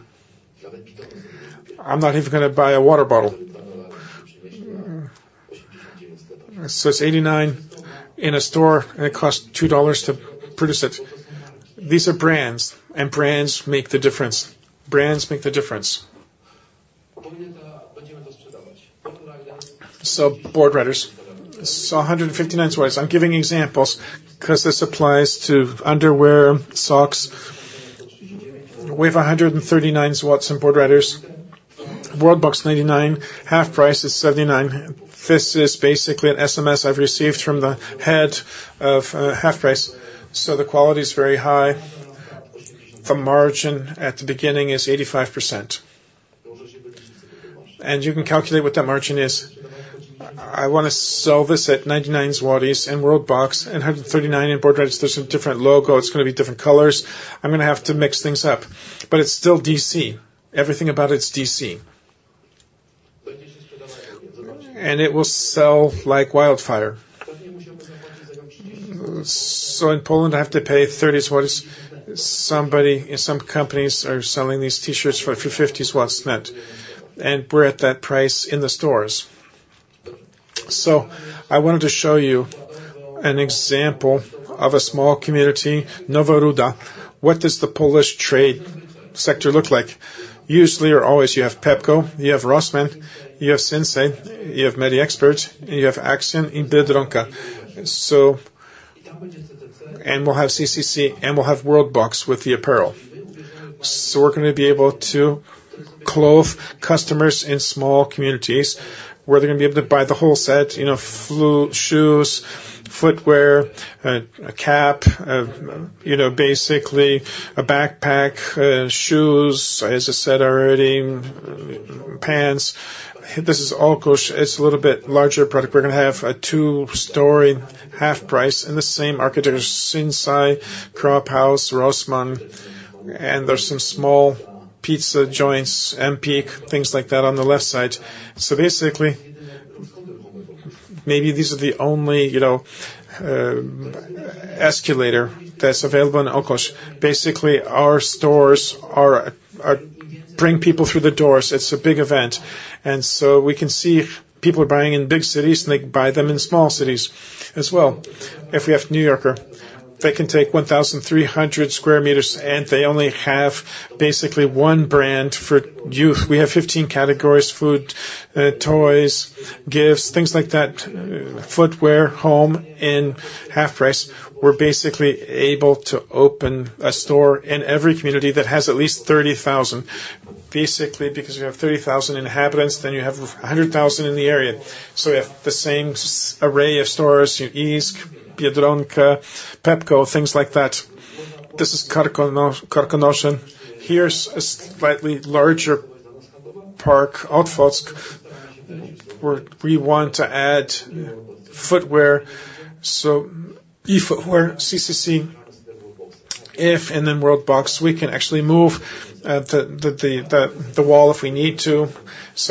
I'm not even going to buy a water bottle, so it's 89 in a store, and it costs $2 to produce it. These are brands, and brands make the difference. Brands make the difference, so Boardriders. So 159. I'm giving examples because this applies to underwear, socks. We have 139 in Boardriders. Worldbox, 99. HalfPrice is 79. This is basically an SMS I've received from the head of HalfPrice, so the quality is very high. The margin at the beginning is 85%, and you can calculate what that margin is. I want to sell this at 99 zlotys and Worldbox and 139 PLN in Boardriders. There's a different logo. It's going to be different colors. I'm going to have to mix things up, but it's still DC. Everything about it's DC, and it will sell like wildfire, so in Poland, I have to pay 30 zlotys. Some companies are selling these T-shirts for 50 zlotys net, and we're at that price in the stores, so I wanted to show you an example of a small community, Nowa Ruda. What does the Polish trade sector look like? Usually, or always, you have Pepco, you have Rossmann, you have Sinsay, you have Media Expert, and you have Action in Biedronka. And we'll have CCC, and we'll have Worldbox with the apparel. So we're going to be able to clothe customers in small communities where they're going to be able to buy the whole set, shoes, footwear, a cap, basically a backpack, shoes, as I said already, pants. This is all [goish.] It's a little bit larger product. We're going to have a two-story HalfPrice in the same architecture, Sinsay, Cropp, House, Rossmann, and there's some small pizza joints, Empik, things like that on the left side. So basically, maybe these are the only escalator that's available in Olkusz. Basically, our stores bring people through the doors. It's a big event. We can see people are buying in big cities, and they buy them in small cities as well. If we have New Yorker, they can take 1,300m², and they only have basically one brand for youth. We have 15 categories, food, toys, gifts, things like that, footwear, home in half price. We're basically able to open a store in every community that has at least 30,000. Basically, because you have 30,000 inhabitants, then you have 100,000 in the area. We have the same array of stores, KAES, Biedronka, Pepco, things like that. This is Karkonosze, here's a slightly larger park, Otwock, where we want to add footwear. CCC, if and then Worldbox, we can actually move the wall if we need to.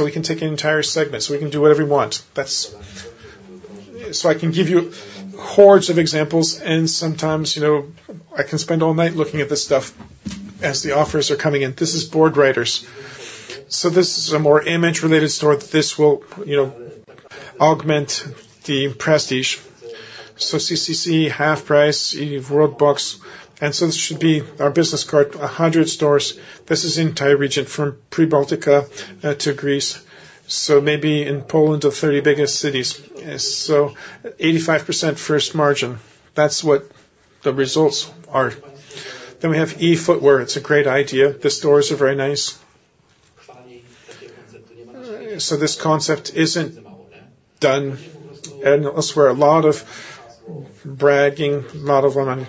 We can take an entire segment. We can do whatever we want. So I can give you hordes of examples, and sometimes I can spend all night looking at this stuff as the offers are coming in. This is Boardriders. So this is a more image-related store that this will augment the prestige. So CCC, HalfPrice, Worldbox. And so this should be our business card, 100 stores. This is the entire region from the Baltic to Greece. So maybe in Poland, the 30 biggest cities. So 85% first margin. That's what the results are. Then we have eFootwear. It's a great idea. The stores are very nice. So this concept isn't done. And elsewhere, a lot of bragging, a lot of women.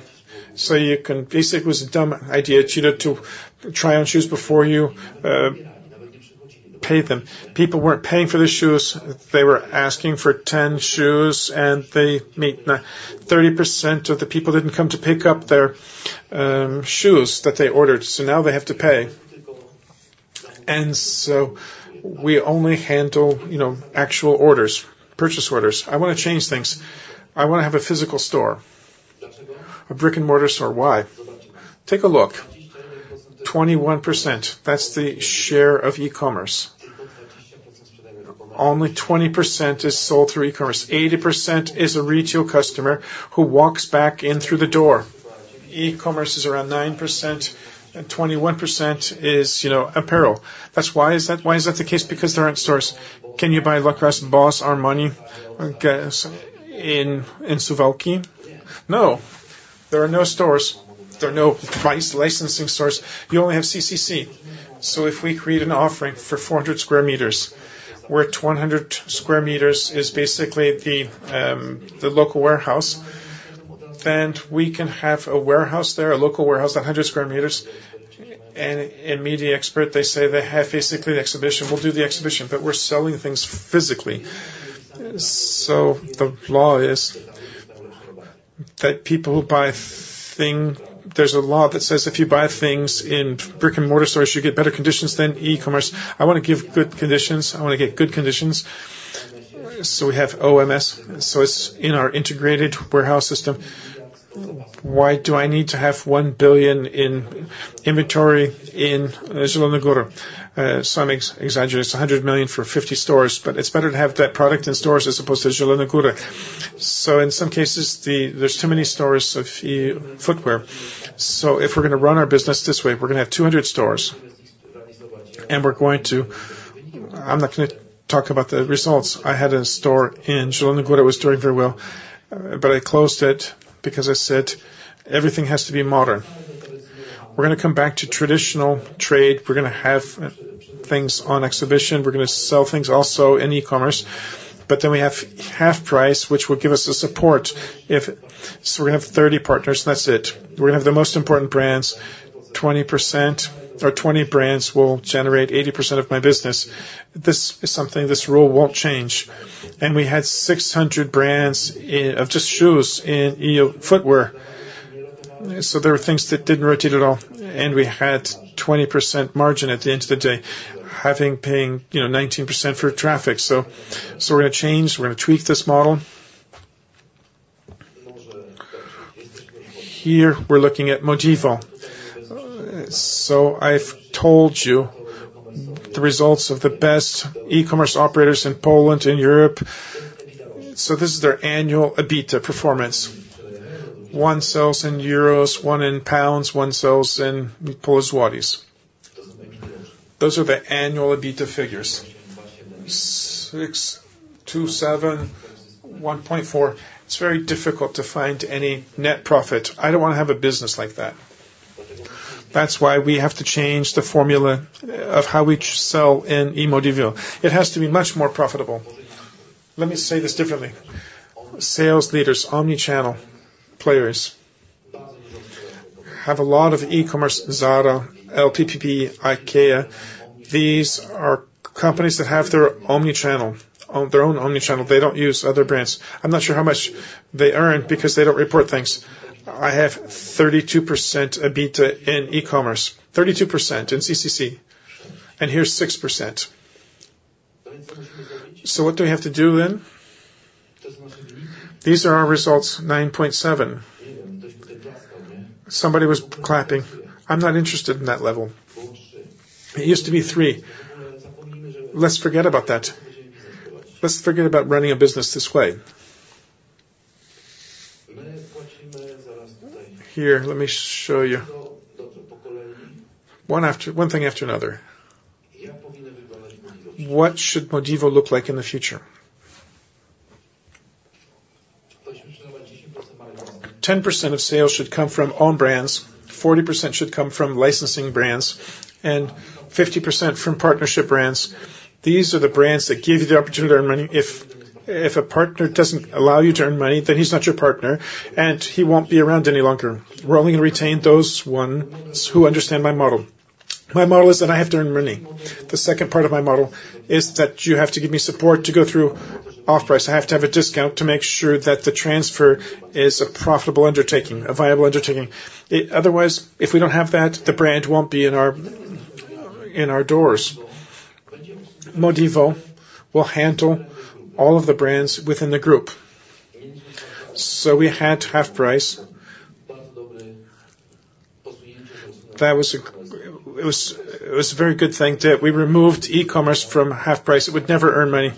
So you can basically was a dumb idea. You need to try on shoes before you pay them. People weren't paying for the shoes. They were asking for 10 shoes, and 30% of the people didn't come to pick up their shoes that they ordered. So now they have to pay, and so we only handle actual orders, purchase orders. I want to change things. I want to have a physical store, a brick-and-mortar store. Why? Take a look. 21%. That's the share of e-commerce. Only 20% is sold through e-commerce. 80% is a retail customer who walks back in through the door. E-commerce is around 9%, and 21% is apparel. Why is that the case? Because there aren't stores. Can you buy Lacoste and Boss or Money in Suwałki? No. There are no stores. There are no licensing stores. You only have CCC. If we create an offering for 400m², where 200m² is basically the local warehouse, then we can have a warehouse there, a local warehouse at 100m². In Media Expert, they say they have basically the exhibition. We'll do the exhibition, but we're selling things physically. The law is that people who buy things, there's a law that says if you buy things in brick-and-mortar stores, you get better conditions than e-commerce. I want to give good conditions. I want to get good conditions. We have OMS. It's in our integrated warehouse system. Why do I need to have 1 billion in inventory in Zielona Góra? I'm exaggerating. It's 100 million for 50 stores, but it's better to have that product in stores as opposed to Zielona Góra. In some cases, there's too many stores of footwear. So if we're going to run our business this way, we're going to have 200 stores. And we're going to, I'm not going to talk about the results. I had a store in Zielona Góra that was doing very well, but I closed it because I said everything has to be modern. We're going to come back to traditional trade. We're going to have things on exhibition. We're going to sell things also in e-commerce, but then we have HalfPrice, which will give us the support. So we're going to have 30 partners, and that's it. We're going to have the most important brands. 20% or 20 brands will generate 80% of my business. This is something this rule won't change. And we had 600 brands of just shoes in footwear. So there were things that didn't rotate at all. We had 20% margin at the end of the day, having paid 19% for traffic. We're going to change. We're going to tweak this model. Here, we're looking at MODIVO. I've told you the results of the best e-commerce operators in Poland and Europe. This is their annual EBITDA performance. One sells in euros, one in pounds, one sells in Polish złoty. Those are the annual EBITDA figures. 627, 1.4. It's very difficult to find any net profit. I don't want to have a business like that. That's why we have to change the formula of how we sell in MODIVO. It has to be much more profitable. Let me say this differently. Sales leaders, omnichannel players have a lot of e-commerce Zara, LPP, IKEA. These are companies that have their own omnichannel, their own omnichannel. They don't use other brands. I'm not sure how much they earn because they don't report things. I have 32% EBITDA in e-commerce, 32% in CCC, and here's 6%. So what do we have to do then? These are our results, 9.7%. Somebody was clapping. I'm not interested in that level. It used to be 3%. Let's forget about that. Let's forget about running a business this way. Here, let me show you one thing after another. What should MODIVO look like in the future? 10% of sales should come from own brands, 40% should come from licensing brands, and 50% from partnership brands. These are the brands that give you the opportunity to earn money. If a partner doesn't allow you to earn money, then he's not your partner, and he won't be around any longer. We're only going to retain those ones who understand my model. My model is that I have to earn money. The second part of my model is that you have to give me support to go through off-price. I have to have a discount to make sure that the transfer is a profitable undertaking, a viable undertaking. Otherwise, if we don't have that, the brand won't be in our doors. MODIVO will handle all of the brands within the group. So we had HalfPrice. That was a very good thing that we removed e-commerce from HalfPrice. It would never earn money.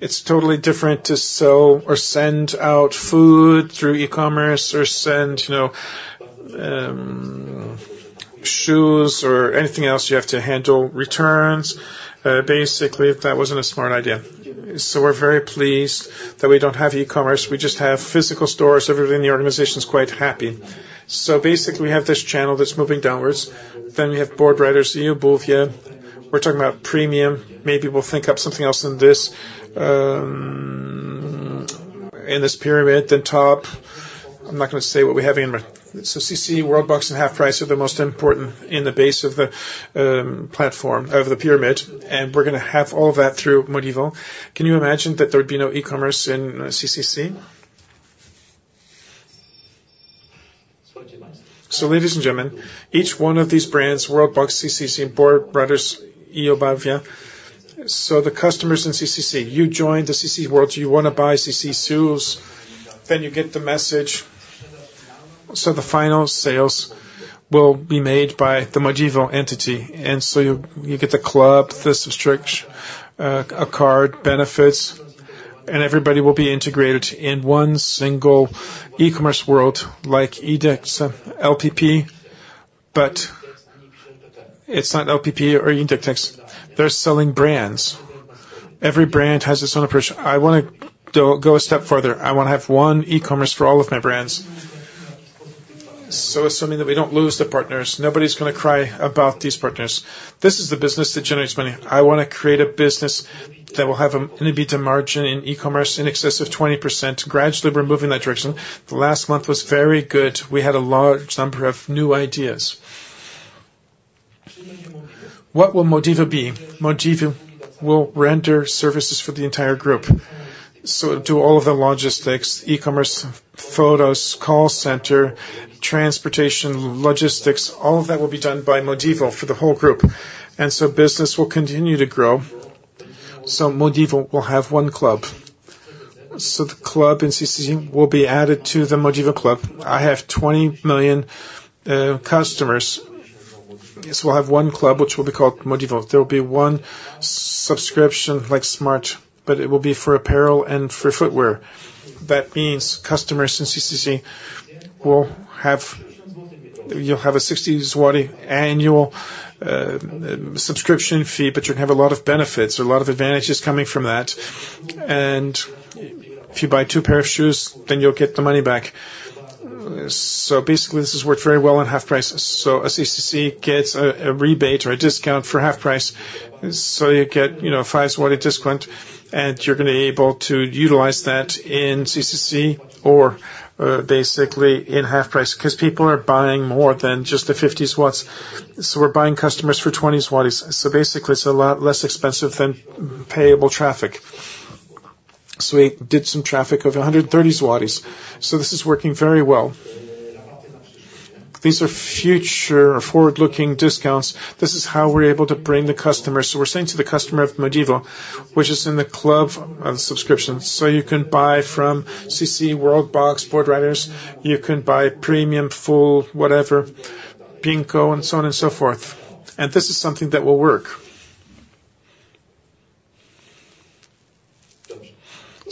It's totally different to sell or send out food through e-commerce or send shoes or anything else. You have to handle returns. Basically, that wasn't a smart idea. So we're very pleased that we don't have e-commerce. We just have physical stores. Everybody in the organization is quite happy. So basically, we have this channel that's moving downwards. Then we have Boardriders, eobuwie.pl. We're talking about premium. Maybe we'll think up something else in this pyramid than top, I'm not going to say what we have in. CCC, WorldBox, and HalfPrice are the most important in the base of the platform of the pyramid. We're going to have all of that through MODIVO. Can you imagine that there would be no e-commerce in CCC? Ladies and gentlemen, each one of these brands, Worldbox, CCC, Boardriders, eobuwie.pl. The customers in CCC, you joined the CCC world. You want to buy CCC shoes, then you get the message. The final sales will be made by the MODIVO entity. You get the club, the subscription, a card, benefits, and everybody will be integrated in one single e-commerce world like Inditex, LPP, but it's not LPP or Inditex. They're selling brands. Every brand has its own approach. I want to go a step further. I want to have one e-commerce for all of my brands. So assuming that we don't lose the partners, nobody's going to cry about these partners. This is the business that generates money. I want to create a business that will have an EBITDA margin in e-commerce in excess of 20%, gradually removing that direction. The last month was very good. We had a large number of new ideas. What will MODIVO be? MODIVO will render services for the entire group. So it'll do all of the logistics, e-commerce, photos, call center, transportation, logistics. All of that will be done by MODIVO for the whole group. And so business will continue to grow. So MODIVO will have one club. So the club in CCC will be added to the MODIVO club. I have 20 million customers. We'll have one club, which will be called MODIVO. There will be one subscription like Smart, but it will be for apparel and for footwear. That means customers in CCC will have a 60 annual subscription fee, but you're going to have a lot of benefits or a lot of advantages coming from that. If you buy two pairs of shoes, then you'll get the money back. Basically, this has worked very well on HalfPrice. CCC gets a rebate or a discount for HalfPrice. You get a 5 discount, and you're going to be able to utilize that in CCC or basically in HalfPrice because people are buying more than just the 50. We're buying customers for 20. Basically, it's a lot less expensive than paid traffic. So we did some traffic of 130 zlotys. So this is working very well. These are future or forward-looking discounts. This is how we're able to bring the customers. So we're saying to the customer of MODIVO, which is in the club subscription, so you can buy from CCC, Worldbox, Boardriders. You can buy premium, full, whatever, Pinko, and so on and so forth. And this is something that will work.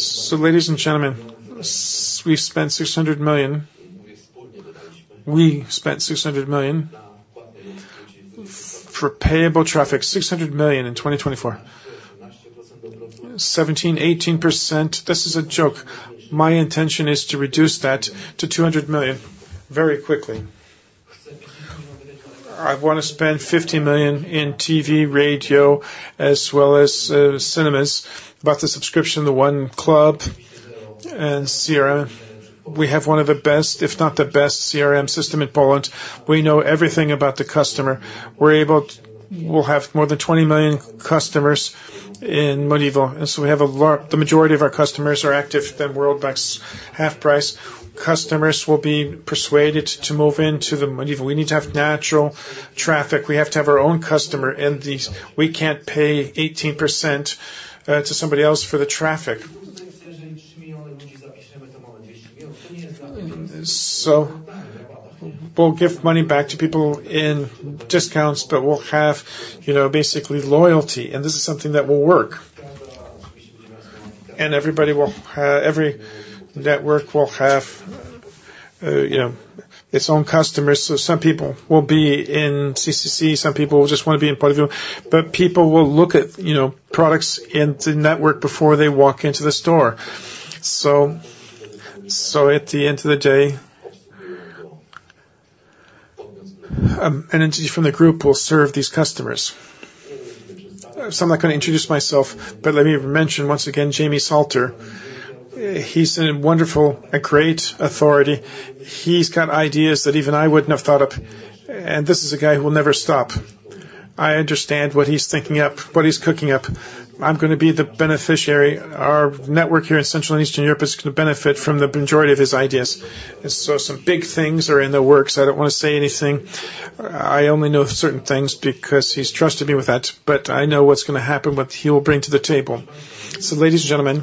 So ladies and gentlemen, we spent 600 million. We spent 600 million for payable traffic, 600 million in 2024. 17%-18%. This is a joke. My intention is to reduce that to 200 million very quickly. I want to spend 50 million in TV, radio, as well as cinemas. About the subscription, the one club and CRM. We have one of the best, if not the best CRM system in Poland. We know everything about the customer. We'll have more than 20 million customers in MODIVO. And so we have a lot. The majority of our customers are active than Worldbox. HalfPrice. Customers will be persuaded to move into the MODIVO. We need to have natural traffic. We have to have our own customer. We can't pay 18% to somebody else for the traffic. So we'll give money back to people in discounts, but we'll have basically loyalty. And this is something that will work. And every network will have its own customers. So some people will be in CCC. Some people will just want to be in MODIVO. But people will look at products in the network before they walk into the store. So at the end of the day, an entity from the group will serve these customers. So I'm not going to introduce myself, but let me mention once again, Jamie Salter. He's a wonderful and great authority. He's got ideas that even I wouldn't have thought up, and this is a guy who will never stop. I understand what he's thinking up, what he's cooking up. I'm going to be the beneficiary. Our network here in Central and Eastern Europe is going to benefit from the majority of his ideas, and so some big things are in the works. I don't want to say anything. I only know certain things because he's trusted me with that, but I know what's going to happen, what he will bring to the table. Ladies and gentlemen,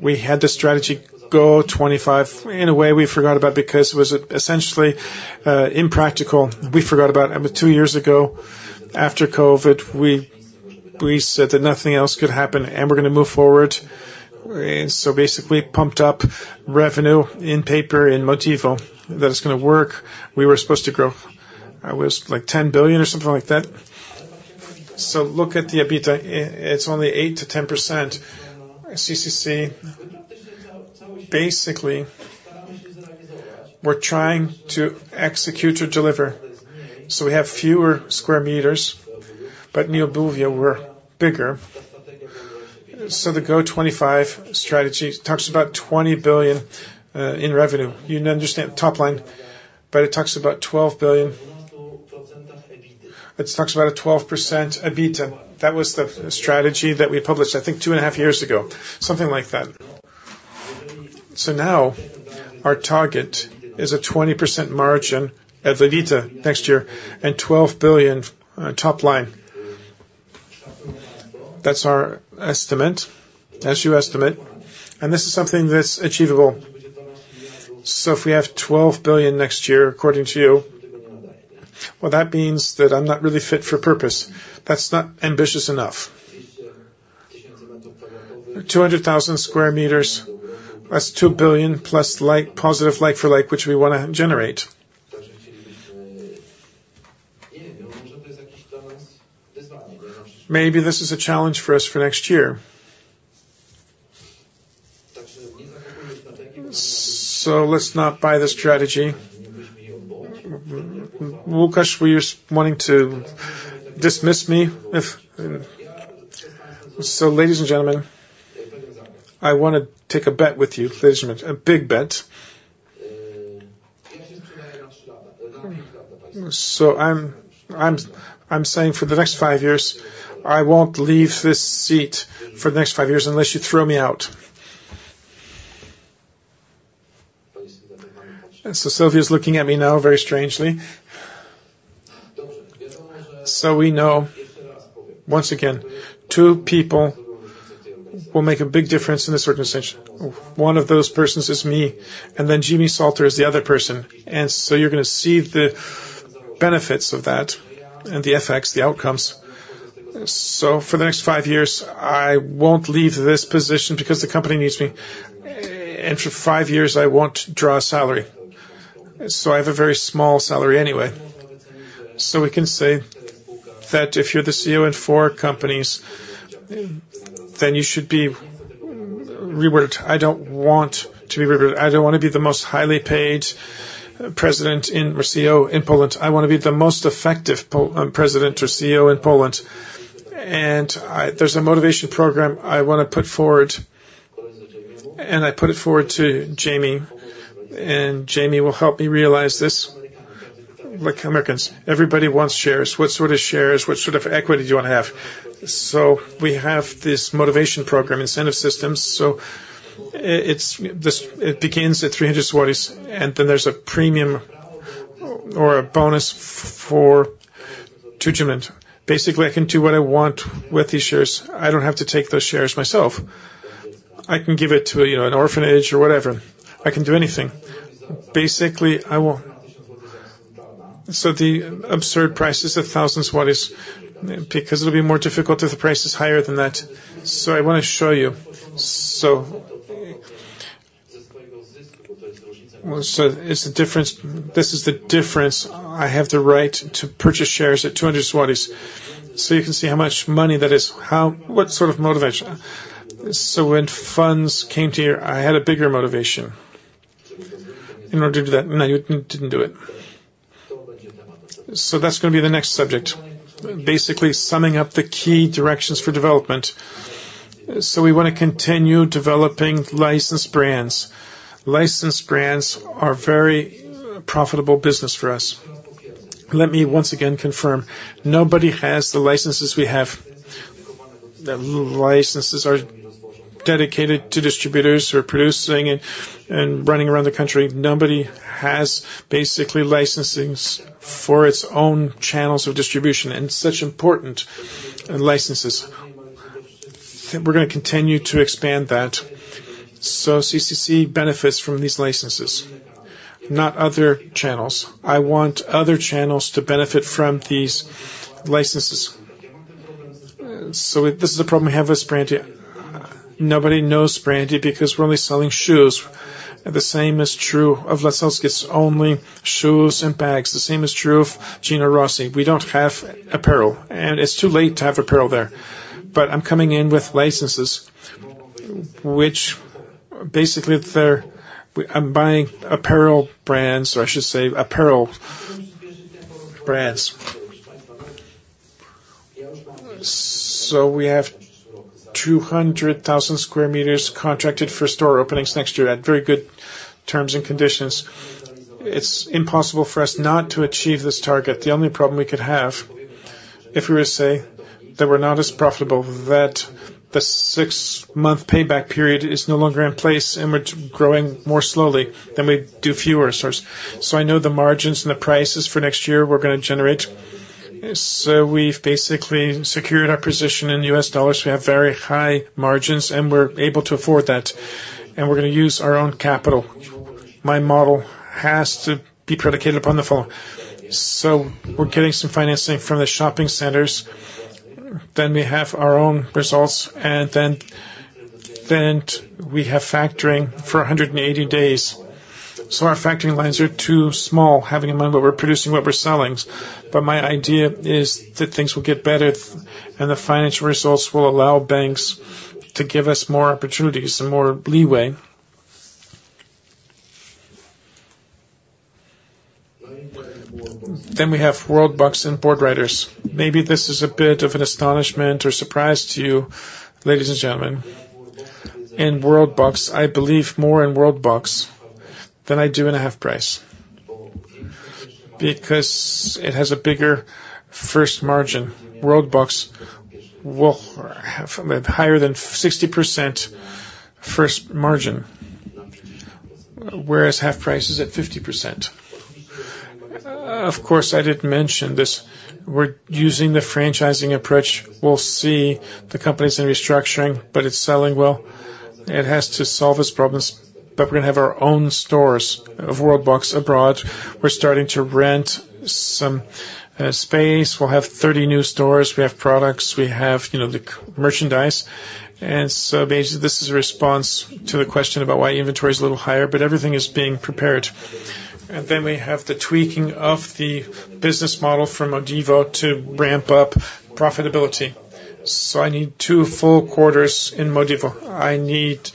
we had this Strategy 2025. In a way, we forgot about it because it was essentially impractical. We forgot about it. Two years ago, after COVID, we said that nothing else could happen, and we're going to move forward. And so basically, we pumped up revenue on paper in MODIVO that is going to work. We were supposed to grow. It was like 10 billion or something like that. So look at the EBITDA. It's only 8%-10%. CCC basically, we're trying to execute or deliver. So we have fewer square meters, but eobuwie.pl were bigger. So the Go 25 strategy talks about 20 billion in revenue. You understand top line, but it talks about 12 billion. It talks about a 12% EBITDA. That was the strategy that we published, I think, two and a half years ago, something like that. So now our target is a 20% margin at EBITDA next year and 12 billion top line. That's our estimate, SU estimate and this is something that's achievable. So if we have 12 billion next year, according to you, well, that means that I'm not really fit for purpose. That's not ambitious enough. 200,000m², that's 2 billion plus, positive LFL, which we want to generate. Maybe this is a challenge for us for next year. So let's not buy this strategy. Łukasz, were you wanting to dismiss me? So ladies and gentlemen, I want to take a bet with you, ladies and gentlemen, a big bet. So I'm saying for the next five years, I won't leave this seat for the next five years unless you throw me out. So Sylwia is looking at me now very strangely. So we know, once again, two people will make a big difference in this circumstance. One of those persons is me, and then Jamie Salter is the other person. And so you're going to see the benefits of that and the effects, the outcomes. So for the next five years, I won't leave this position because the company needs me. And for five years, I won't draw a salary. So I have a very small salary anyway. So we can say that if you're the CEO in four companies, then you should be rewarded. I don't want to be rewarded. I don't want to be the most highly paid president or CEO in Poland. I want to be the most effective president or CEO in Poland. And there's a motivation program I want to put forward, and I put it forward to Jamie, and Jamie will help me realize this. Like Americans, everybody wants shares. What sort of shares? What sort of equity do you want to have? So we have this motivation program, incentive systems. So it begins at 300 zlotys, and then there's a premium or a bonus for two gentlemen. Basically, I can do what I want with these shares. I don't have to take those shares myself. I can give it to an orphanage or whatever. I can do anything. Basically, I will. So the absurd price is PLN 1,000 because it'll be more difficult if the price is higher than that. So I want to show you. So it's a difference. This is the difference. I have the right to purchase shares at 200 zlotys. So you can see how much money that is, what sort of motivation. So when funds came to you, I had a bigger motivation in order to do that. Now, you didn't do it. So that's going to be the next subject. Basically, summing up the key directions for development. We want to continue developing licensed brands. Licensed brands are a very profitable business for us. Let me once again confirm. Nobody has the licenses we have. The licenses are dedicated to distributors who are producing and running around the country. Nobody has basically licensing for its own channels of distribution and such important licenses. We're going to continue to expand that. CCC benefits from these licenses, not other channels. I want other channels to benefit from these licenses. This is a problem we have with Sprandi. Nobody knows Sprandi because we're only selling shoes. The same is true of Lasocki, only shoes and bags. The same is true of Gino Rossi. We don't have apparel, and it's too late to have apparel there. I'm coming in with licenses, which basically they're. I'm buying apparel brands, or I should say apparel brands. So we have 200,000m² contracted for store openings next year at very good terms and conditions. It's impossible for us not to achieve this target. The only problem we could have if we were to say that we're not as profitable, that the six-month payback period is no longer in place and we're growing more slowly than we do fewer stores. So I know the margins and the prices for next year we're going to generate. So we've basically secured our position in U.S. dollars. We have very high margins, and we're able to afford that. And we're going to use our own capital. My model has to be predicated upon the following. So we're getting some financing from the shopping centers. Then we have our own results, and then we have factoring for 180 days. So our factoring lines are too small, having in mind what we're producing, what we're selling. But my idea is that things will get better, and the financial results will allow banks to give us more opportunities and more leeway. Then we have Worldbox and Boardriders. Maybe this is a bit of an astonishment or surprise to you, ladies and gentlemen. In Worldbox, I believe more in Worldbox than I do in HalfPrice because it has a bigger first margin. Worldbox will have a higher than 60% first margin, whereas HalfPrice is at 50%. Of course, I did mention this. We're using the franchising approach. We'll see the company's in restructuring, but it's selling well. It has to solve its problems, but we're going to have our own stores of Worldbox abroad. We're starting to rent some space. We'll have 30 new stores. We have products. We have the merchandise, and so basically this is a response to the question about why inventory is a little higher, but everything is being prepared. And then we have the tweaking of the business model from MODIVO to ramp up profitability, so I need two full quarters in MODIVO. I need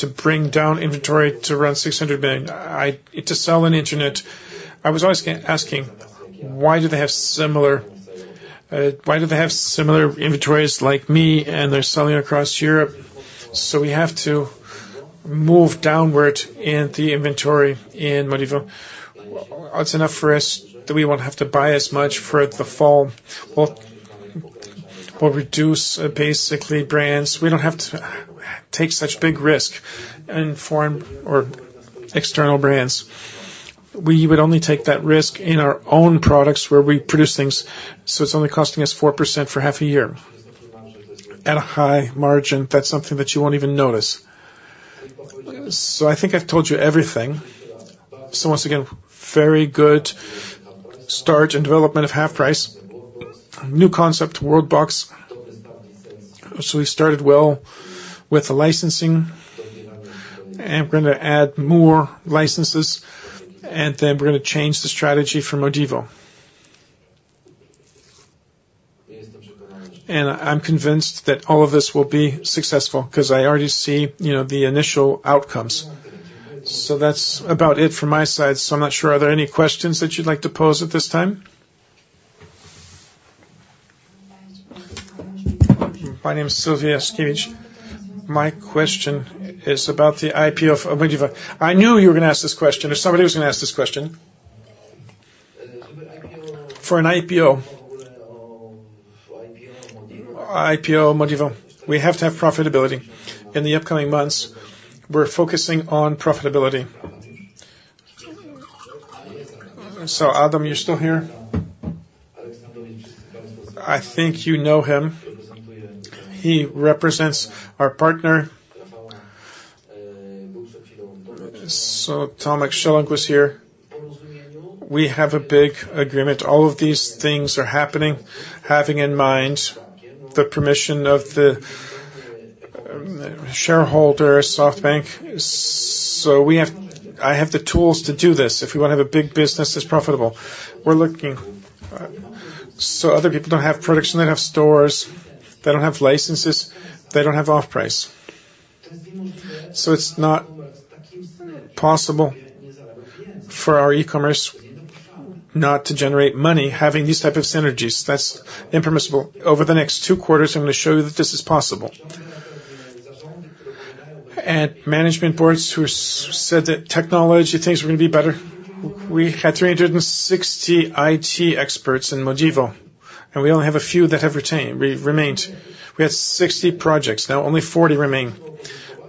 to bring down inventory to around 600 million to sell on the internet. I was always asking, why do they have similar? Why do they have similar inventories like me, and they're selling across Europe? So we have to move downward in the inventory in MODIVO. It's enough for us that we won't have to buy as much for the fall. We'll reduce basically brands. We don't have to take such big risk in foreign or external brands. We would only take that risk in our own products where we produce things. So it's only costing us 4% for half a year at a high margin. That's something that you won't even notice, so I think I've told you everything, so once again, very good start in development of HalfPrice. New concept, Worldbox, so we started well with the licensing, and we're going to add more licenses, and then we're going to change the strategy for MODIVO, and I'm convinced that all of this will be successful because I already see the initial outcomes, so that's about it from my side, so I'm not sure. Are there any questions that you'd like to pose at this time? My name is Sylwia Jaśkiewicz. My question is about the IPO of MODIVO. I knew you were going to ask this question. Somebody was going to ask this question. For an IPO? IPO MODIVO. We have to have profitability. In the upcoming months, we're focusing on profitability, so Adam, you're still here? I think you know him. He represents our partner, so Tomek Szeląg was here. We have a big agreement. All of these things are happening, having in mind the permission of the shareholder SoftBank, so I have the tools to do this. If we want to have a big business that's profitable, we're looking, so other people don't have products. They don't have stores. They don't have licenses. They don't have off-price. So it's not possible for our e-commerce not to generate money having these types of synergies. That's impermissible. Over the next two quarters, I'm going to show you that this is possible, and management boards who said that technology things were going to be better. We had 360 IT experts in MODIVO, and we only have a few that have remained. We had 60 projects. Now only 40 remain.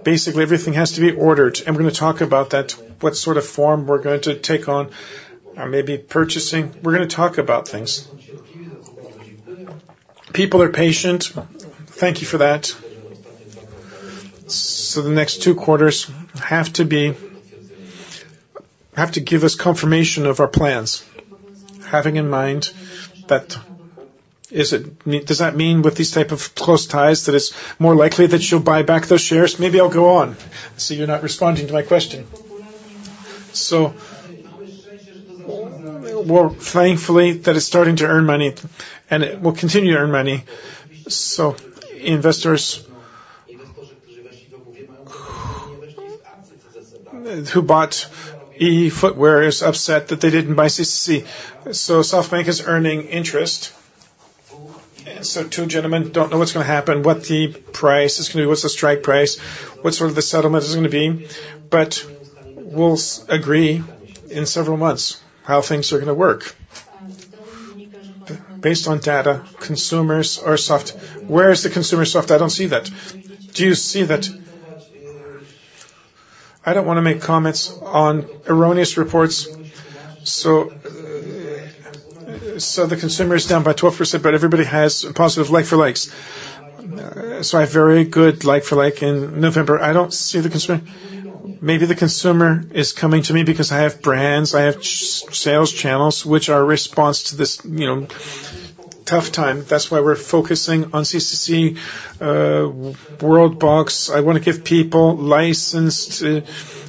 Basically, everything has to be ordered, and we're going to talk about that, what sort of form we're going to take on, maybe purchasing. We're going to talk about things. People are patient. Thank you for that. So the next two quarters have to give us confirmation of our plans, having in mind that does that mean with these types of close ties that it's more likely that you'll buy back those shares? Maybe I'll go on. See, you're not responding to my question. So thankfully that it's starting to earn money, and it will continue to earn money. So investors who bought eobuwie are upset that they didn't buy CCC. So SoftBank is earning interest. Two gentlemen don't know what's going to happen, what the price is going to be, what's the strike price, what sort of the settlement is going to be. But we'll agree in several months how things are going to work. Based on data, consumers are soft. Where is the consumer soft? I don't see that. Do you see that? I don't want to make comments on erroneous reports. The consumer is down by 12%, but everybody has positive like for likes. I have very good like for like in November. I don't see the consumer. Maybe the consumer is coming to me because I have brands, I have sales channels, which are a response to this tough time. That's why we're focusing on CCC, Worldbox. I want to give people licensed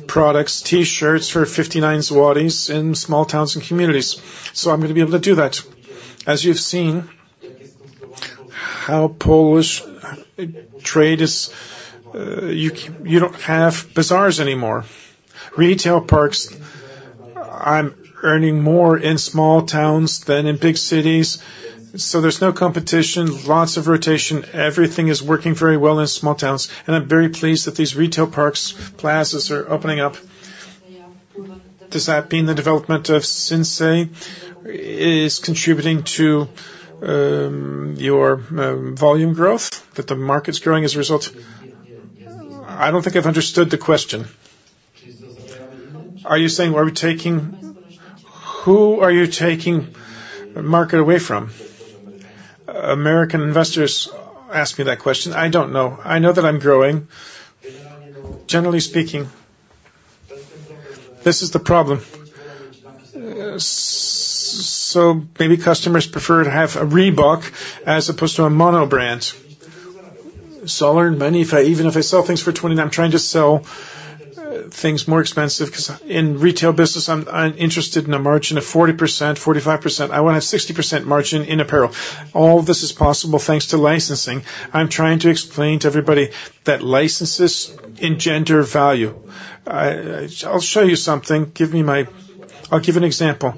products, T-shirts for 59 in small towns and communities. So I'm going to be able to do that. As you've seen how Polish trade is, you don't have bazaars anymore, retail parks. I'm earning more in small towns than in big cities. So there's no competition, lots of rotation. Everything is working very well in small towns. And I'm very pleased that these retail parks, plazas are opening up. Does that mean the development of Sinsay is contributing to your volume growth, that the market's growing as a result? I don't think I've understood the question. Are you saying who are you taking the market away from? American investors ask me that question. I don't know. I know that I'm growing. Generally speaking, this is the problem. So maybe customers prefer to have a Reebok as opposed to a mono brand. So I'll earn money even if I sell things for 29. I'm trying to sell things more expensive because in retail business, I'm interested in a margin of 40%, 45%. I want to have 60% margin in apparel. All this is possible thanks to licensing. I'm trying to explain to everybody that licenses engender value. I'll show you something. I'll give you an example.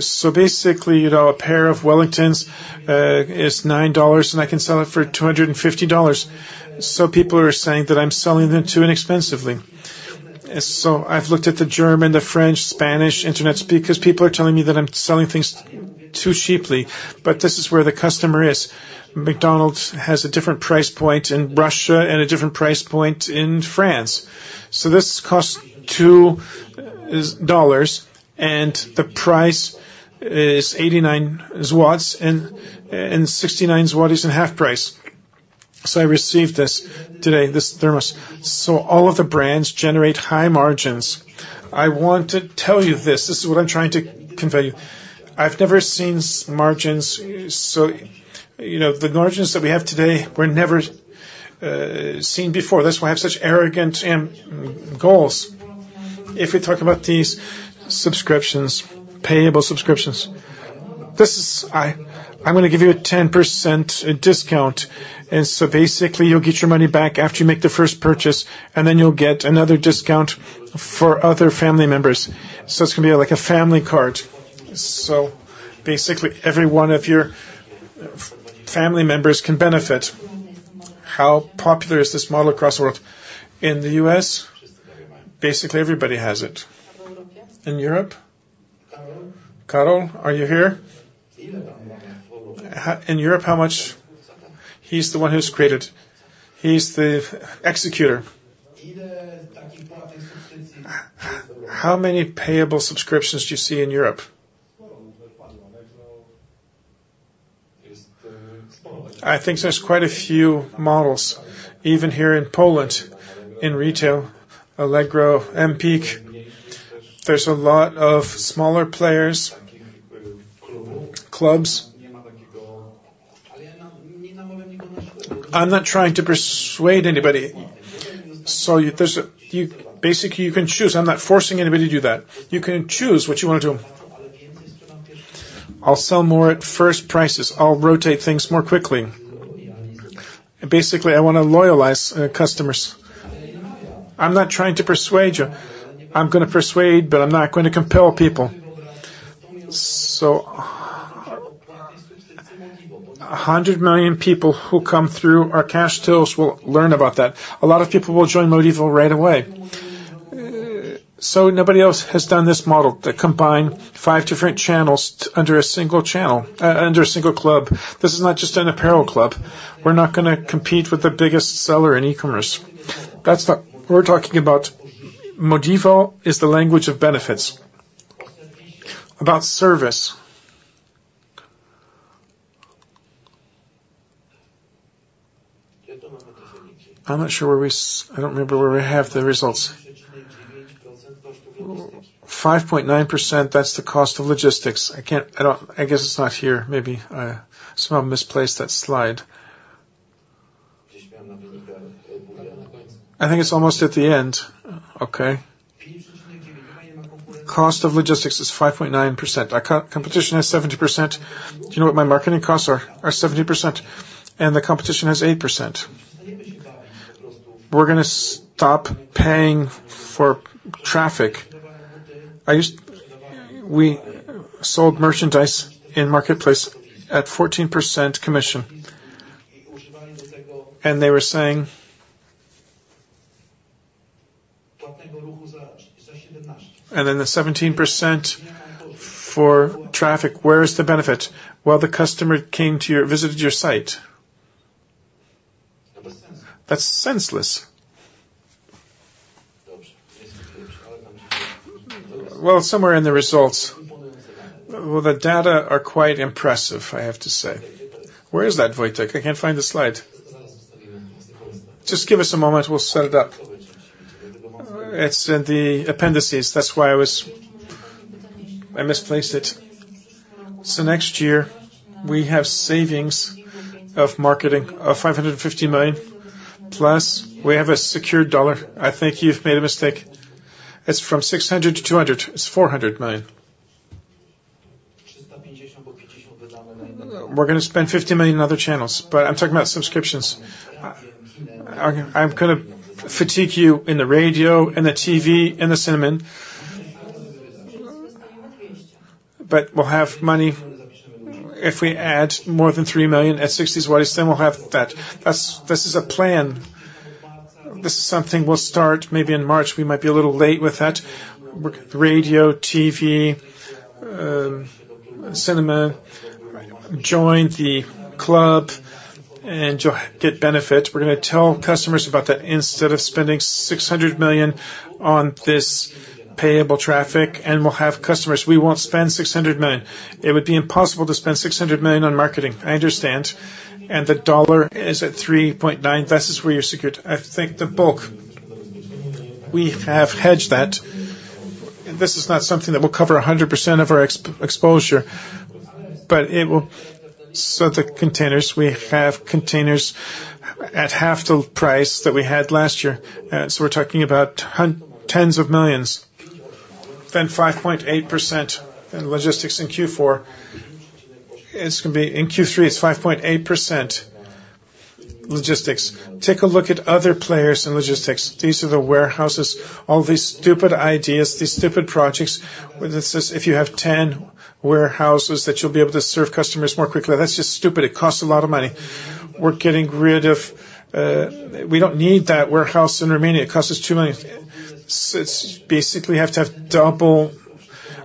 So basically, a pair of Wellingtons is $9, and I can sell it for $250. So people are saying that I'm selling them too inexpensively. So I've looked at the German, the French, Spanish internet because people are telling me that I'm selling things too cheaply. But this is where the customer is. McDonald's has a different price point in Russia and a different price point in France. So this costs $2, and the price is 89, and 69 is in HalfPrice. So I received this today, this thermos. All of the brands generate high margins. I want to tell you this. This is what I'm trying to convey to you. I've never seen margins. The margins that we have today were never seen before. That's why I have such arrogant goals. If we talk about these subscriptions, payable subscriptions, I'm going to give you a 10% discount. And so basically, you'll get your money back after you make the first purchase, and then you'll get another discount for other family members. So it's going to be like a family card. So basically, every one of your family members can benefit. How popular is this model across the world? In the U.S., basically everybody has it. In Europe? Carol, are you here? In Europe, how much? He's the one who's created. He's the executor. How many payable subscriptions do you see in Europe? I think there's quite a few models, even here in Poland, in retail, Allegro, Empik. There's a lot of smaller players, clubs. I'm not trying to persuade anybody. So basically, you can choose. I'm not forcing anybody to do that. You can choose what you want to do. I'll sell more at first prices. I'll rotate things more quickly. Basically, I want to loyalize customers. I'm not trying to persuade you. I'm going to persuade, but I'm not going to compel people. So 100 million people who come through our cash tills will learn about that. A lot of people will join MODIVO right away. So nobody else has done this model, to combine five different channels under a single club. This is not just an apparel club. We're not going to compete with the biggest seller in e-commerce. We're talking about MODIVO is the language of benefits, about service. I'm not sure where we, I don't remember where we have the results. 5.9%, that's the cost of logistics. I guess it's not here. Maybe I misplaced that slide. I think it's almost at the end. Okay. Cost of logistics is 5.9%. Competition has 70%. Do you know what my marketing costs are? Are 70%, and the competition has 8%. We're going to stop paying for traffic. We sold merchandise in marketplace at 14% commission, and they were saying 17% for traffic. Where is the benefit? Well, the customer came to your, visited your site. That's senseless. Well, somewhere in the results. Well, the data are quite impressive, I have to say. Where is that, Wojtek? I can't find the slide. Just give us a moment. We'll set it up. It's in the appendices. That's why I misplaced it. So next year, we have savings of marketing of 550 million. Plus, we have a secured dollar, I think you've made a mistake. It's from 600 million to 200 million. It's 400 million. We're going to spend 50 million in other channels, but I'm talking about subscriptions. I'm going to advertise in the radio, in the TV, in the cinema. But we'll have money if we add more than 3 million at 60, then we'll have that. This is a plan. This is something we'll start maybe in March. We might be a little late with that. Radio, TV, cinema, join the club and get benefit. We're going to tell customers about that instead of spending 600 million on this paid traffic, and we'll have customers. We won't spend 600 million. It would be impossible to spend 600 million on marketing. I understand. The dollar is at 3.9. That is where we're secured. I think the bulk, we have hedged that. This is not something that will cover 100% of our exposure, but it will set the containers. We have containers at half the price that we had last year. So we're talking about PLN tens of millions. Then 5.8% in logistics in Q4. It's going to be in Q3, it's 5.8% logistics. Take a look at other players in logistics. These are the warehouses, all these stupid ideas, these stupid projects. If you have 10 warehouses that you'll be able to serve customers more quickly, that's just stupid. It costs a lot of money. We're getting rid of. We don't need that warehouse in Romania. It costs us 2 million. Basically, we have to have double.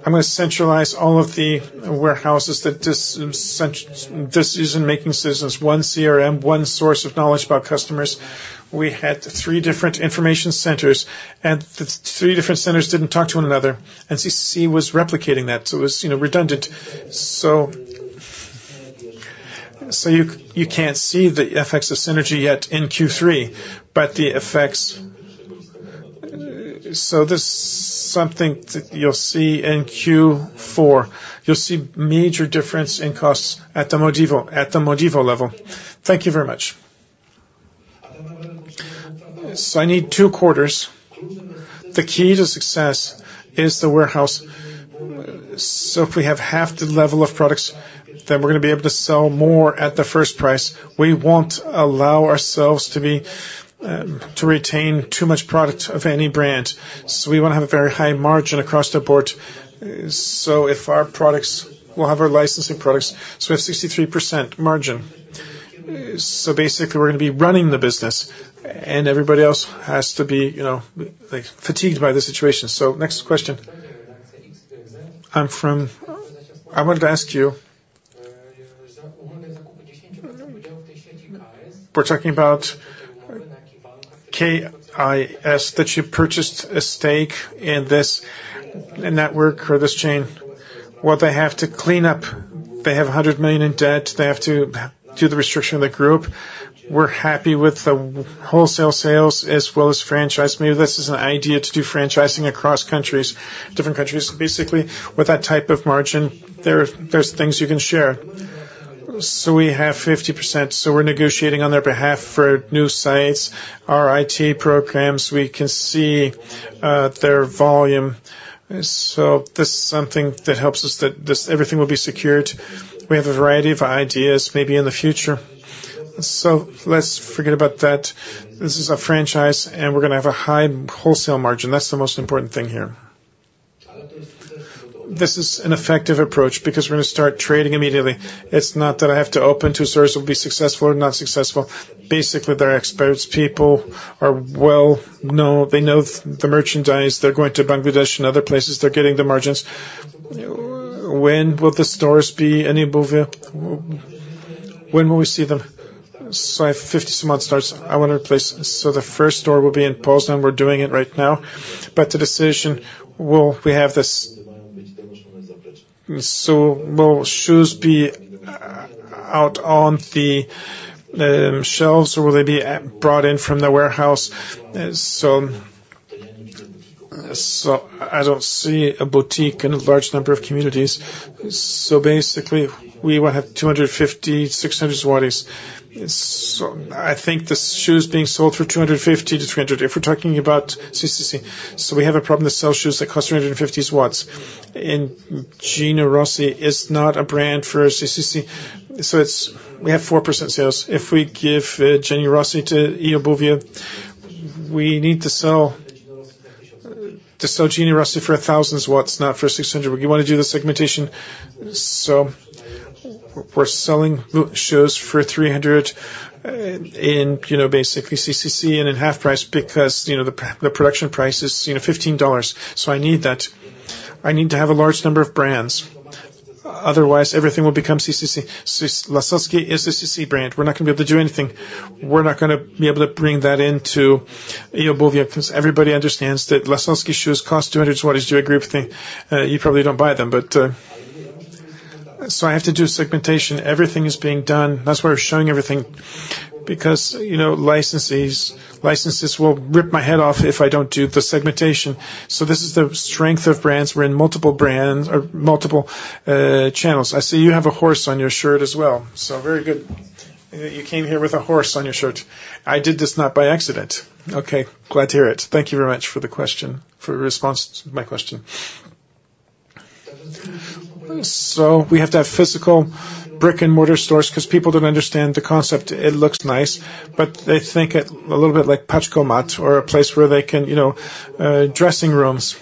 I'm going to centralize all of the warehouses that this isn't making decisions. One CRM, one source of knowledge about customers. We had three different information centers, and the three different centers didn't talk to one another. And CCC was replicating that. So it was redundant. So you can't see the effects of synergy yet in Q3, but the effects, so this is something that you'll see in Q4. You'll see a major difference in costs at the MODIVO level. Thank you very much. So I need two quarters. The key to success is the warehouse. So if we have half the level of products, then we're going to be able to sell more at the first price. We won't allow ourselves to retain too much product of any brand. So we want to have a very high margin across the board. So if our products, we'll have our licensing products. So we have 63% margin. So basically, we're going to be running the business, and everybody else has to be fatigued by the situation. Next question. I wanted to ask you, we're talking about KAES that you purchased a stake in this network or this chain. What they have to clean up. They have 100 million in debt. They have to do the restructuring of the group. We're happy with the wholesale sales as well as franchise. Maybe this is an idea to do franchising across countries, different countries. Basically, with that type of margin, there's things you can share. We have 50%. We're negotiating on their behalf for new sites, our IT programs. We can see their volume. This is something that helps us that everything will be secured. We have a variety of ideas maybe in the future. Let's forget about that. This is a franchise, and we're going to have a high wholesale margin. That's the most important thing here. This is an effective approach because we're going to start trading immediately. It's not that I have to open two stores that will be successful or not successful. Basically, their experts, people are well known. They know the merchandise. They're going to Bangladesh and other places. They're getting the margins. When will the stores be in eobuwie.pl? When will we see them? So I have 50-some-odd starts. I want to replace. So the first store will be in Poland. We're doing it right now. But the decision, we have this. So will shoes be out on the shelves, or will they be brought in from the warehouse? So I don't see a boutique in a large number of communities. So basically, we will have 250m²-600m². So I think the shoes being sold for 250-300 if we're talking about CCC. We have a problem to sell shoes that cost 350. Gino Rossi is not a brand for CCC. We have 4% sales. If we give Gino Rossi to eobuwie.pl, we need to sell Gino Rossi for 1,000, not for 600. We want to do the segmentation. We're selling shoes for 300 in basically CCC and in HalfPrice because the production price is $15. I need that. I need to have a large number of brands. Otherwise, everything will become CCC. Lasocki is a CCC brand, we're not going to be able to do anything. We're not going to be able to bring that into eobuwie.pl because everybody understands that Lasocki shoes cost PLN 200. You agree with me. You probably don't buy them, but so I have to do segmentation. Everything is being done. That's why we're showing everything because licenses will rip my head off if I don't do the segmentation. So this is the strength of brands. We're in multiple channels. I see you have a horse on your shirt as well. So very good. You came here with a horse on your shirt, I did this not by accident. Okay. Glad to hear it. Thank you very much for the question, for your response to my question. So we have to have physical brick-and-mortar stores because people don't understand the concept. It looks nice, but they think it's a little bit like Paczkomat or a place where they can dressing rooms.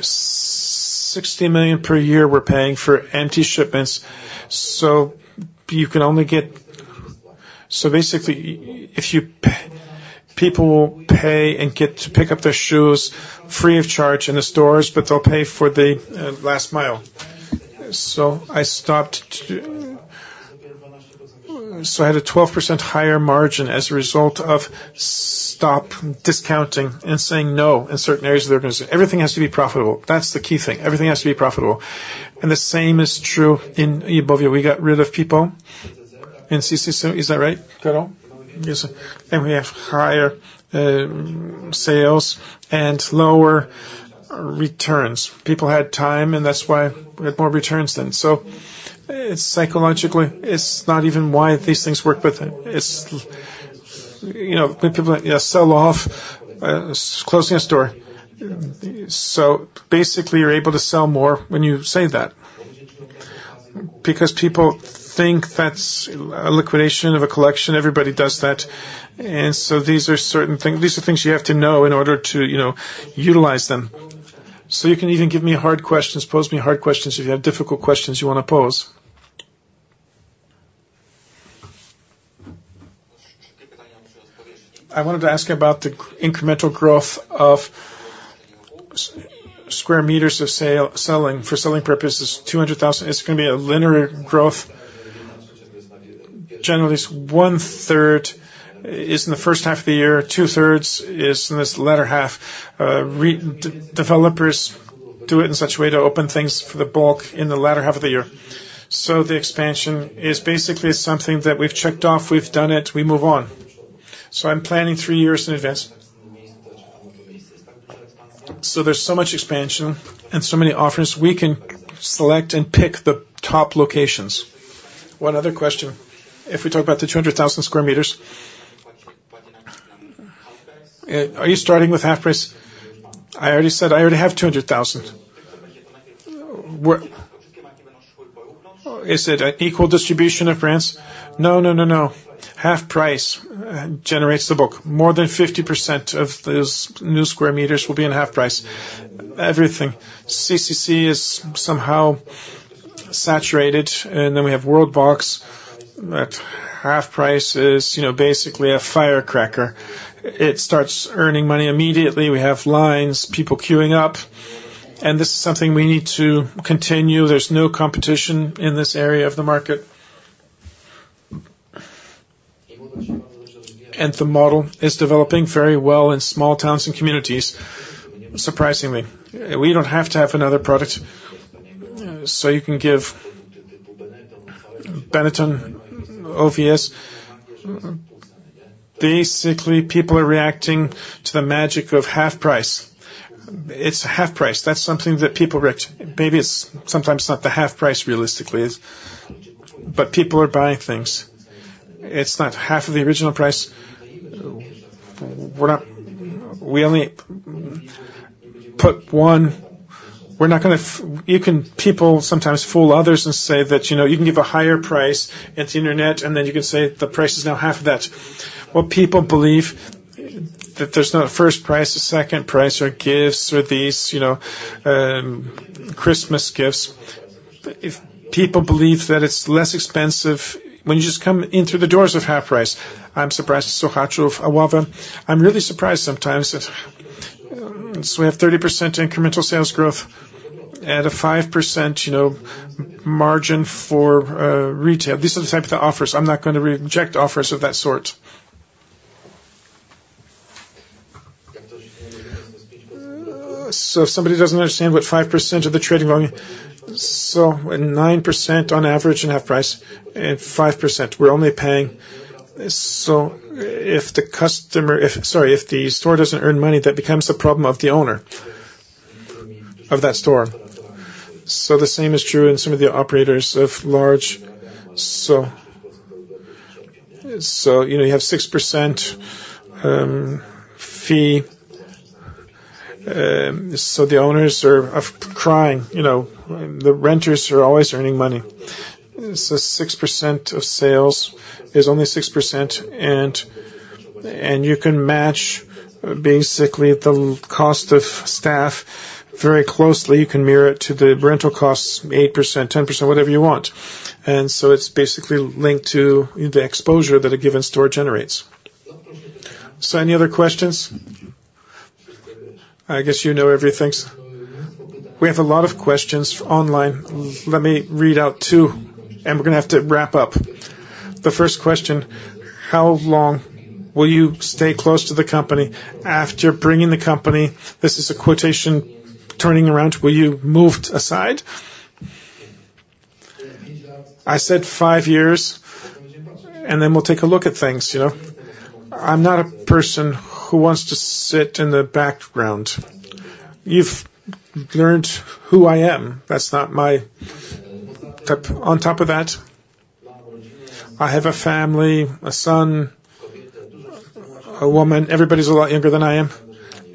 60 million per year, we're paying for empty shipments. You can only get so basically. People will pay and get to pick up their shoes free of charge in the stores, but they'll pay for the last mile. So I stopped, so I had a 12% higher margin as a result of stopping discounting and saying no in certain areas of the organization. Everything has to be profitable. That's the key thing. Everything has to be profitable. And the same is true in eobuwie. We got rid of people in CCC. Is that right? Carol? Yes. And we have higher sales and lower returns. People had time, and that's why we had more returns then. So psychologically, it's not even why these things work with it. People sell off, closing a store. So basically, you're able to sell more when you say that because people think that's a liquidation of a collection. Everybody does that. And so these are certain things. These are things you have to know in order to utilize them. So you can even give me hard questions, pose me hard questions if you have difficult questions you want to pose. I wanted to ask you about the incremental growth of square meters of selling for selling purposes. 200,000. It's going to be a linear growth. Generally, 1/3 is in the first half of the year. 2/3 is in this latter half. Developers do it in such a way to open things for the bulk in the latter half of the year. So the expansion is basically something that we've checked off. We've done it. We move on. So I'm planning three years in advance. So there's so much expansion and so many offerings. We can select and pick the top locations. One other question. If we talk about the 200,000m², are you starting with HalfPrice? I already said I already have 200,000m². Is it an equal distribution of brands? No, HalfPrice generates the buck. More than 50% of those new square meters will be in HalfPrice everything. CCC is somehow saturated. And then we have Worldbox. HalfPrice is basically a firecracker. It starts earning money immediately. We have lines, people queuing up. And this is something we need to continue. There's no competition in this area of the market. And the model is developing very well in small towns and communities, surprisingly. We don't have to have another product. So you can give Benetton, OVS. Basically, people are reacting to the magic of HalfPrice. It's HalfPrice. That's something that people react. Maybe sometimes it's not the Half Price realistically, but people are buying things. It's not half of the original price. We only put one. We're not going to people sometimes fool others and say that you can give a higher price into the internet, and then you can say the price is now half of that. Well, people believe that there's no first price, a second price, or gifts or these Christmas gifts. People believe that it's less expensive when you just come in through the doors of HalfPrice. I'm surprised. I'm really surprised sometimes. We have 30% incremental sales growth and a 5% margin for retail. These are the types of offers. I'm not going to reject offers of that sort. If somebody doesn't understand what 5% of the trading volume, so 9% on average and HalfPrice and 5%. We're only paying. So if the customer, sorry, if the store doesn't earn money, that becomes a problem of the owner of that store. So the same is true in some of the operators of large. So you have 6% fee. So the owners are crying. The renters are always earning money. So 6% of sales is only 6%. And you can match basically the cost of staff very closely. You can mirror it to the rental costs, 8%, 10%, whatever you want. And so it's basically linked to the exposure that a given store generates. So any other questions? I guess you know everything. We have a lot of questions online. Let me read out two, and we're going to have to wrap up. The first question, how long will you stay close to the company after bringing the company? This is a quotation turning around. Will you move aside? I said five years, and then we'll take a look at things. I'm not a person who wants to sit in the background. You've learned who I am. That's not my. On top of that, I have a family, a son, a woman. Everybody's a lot younger than I am,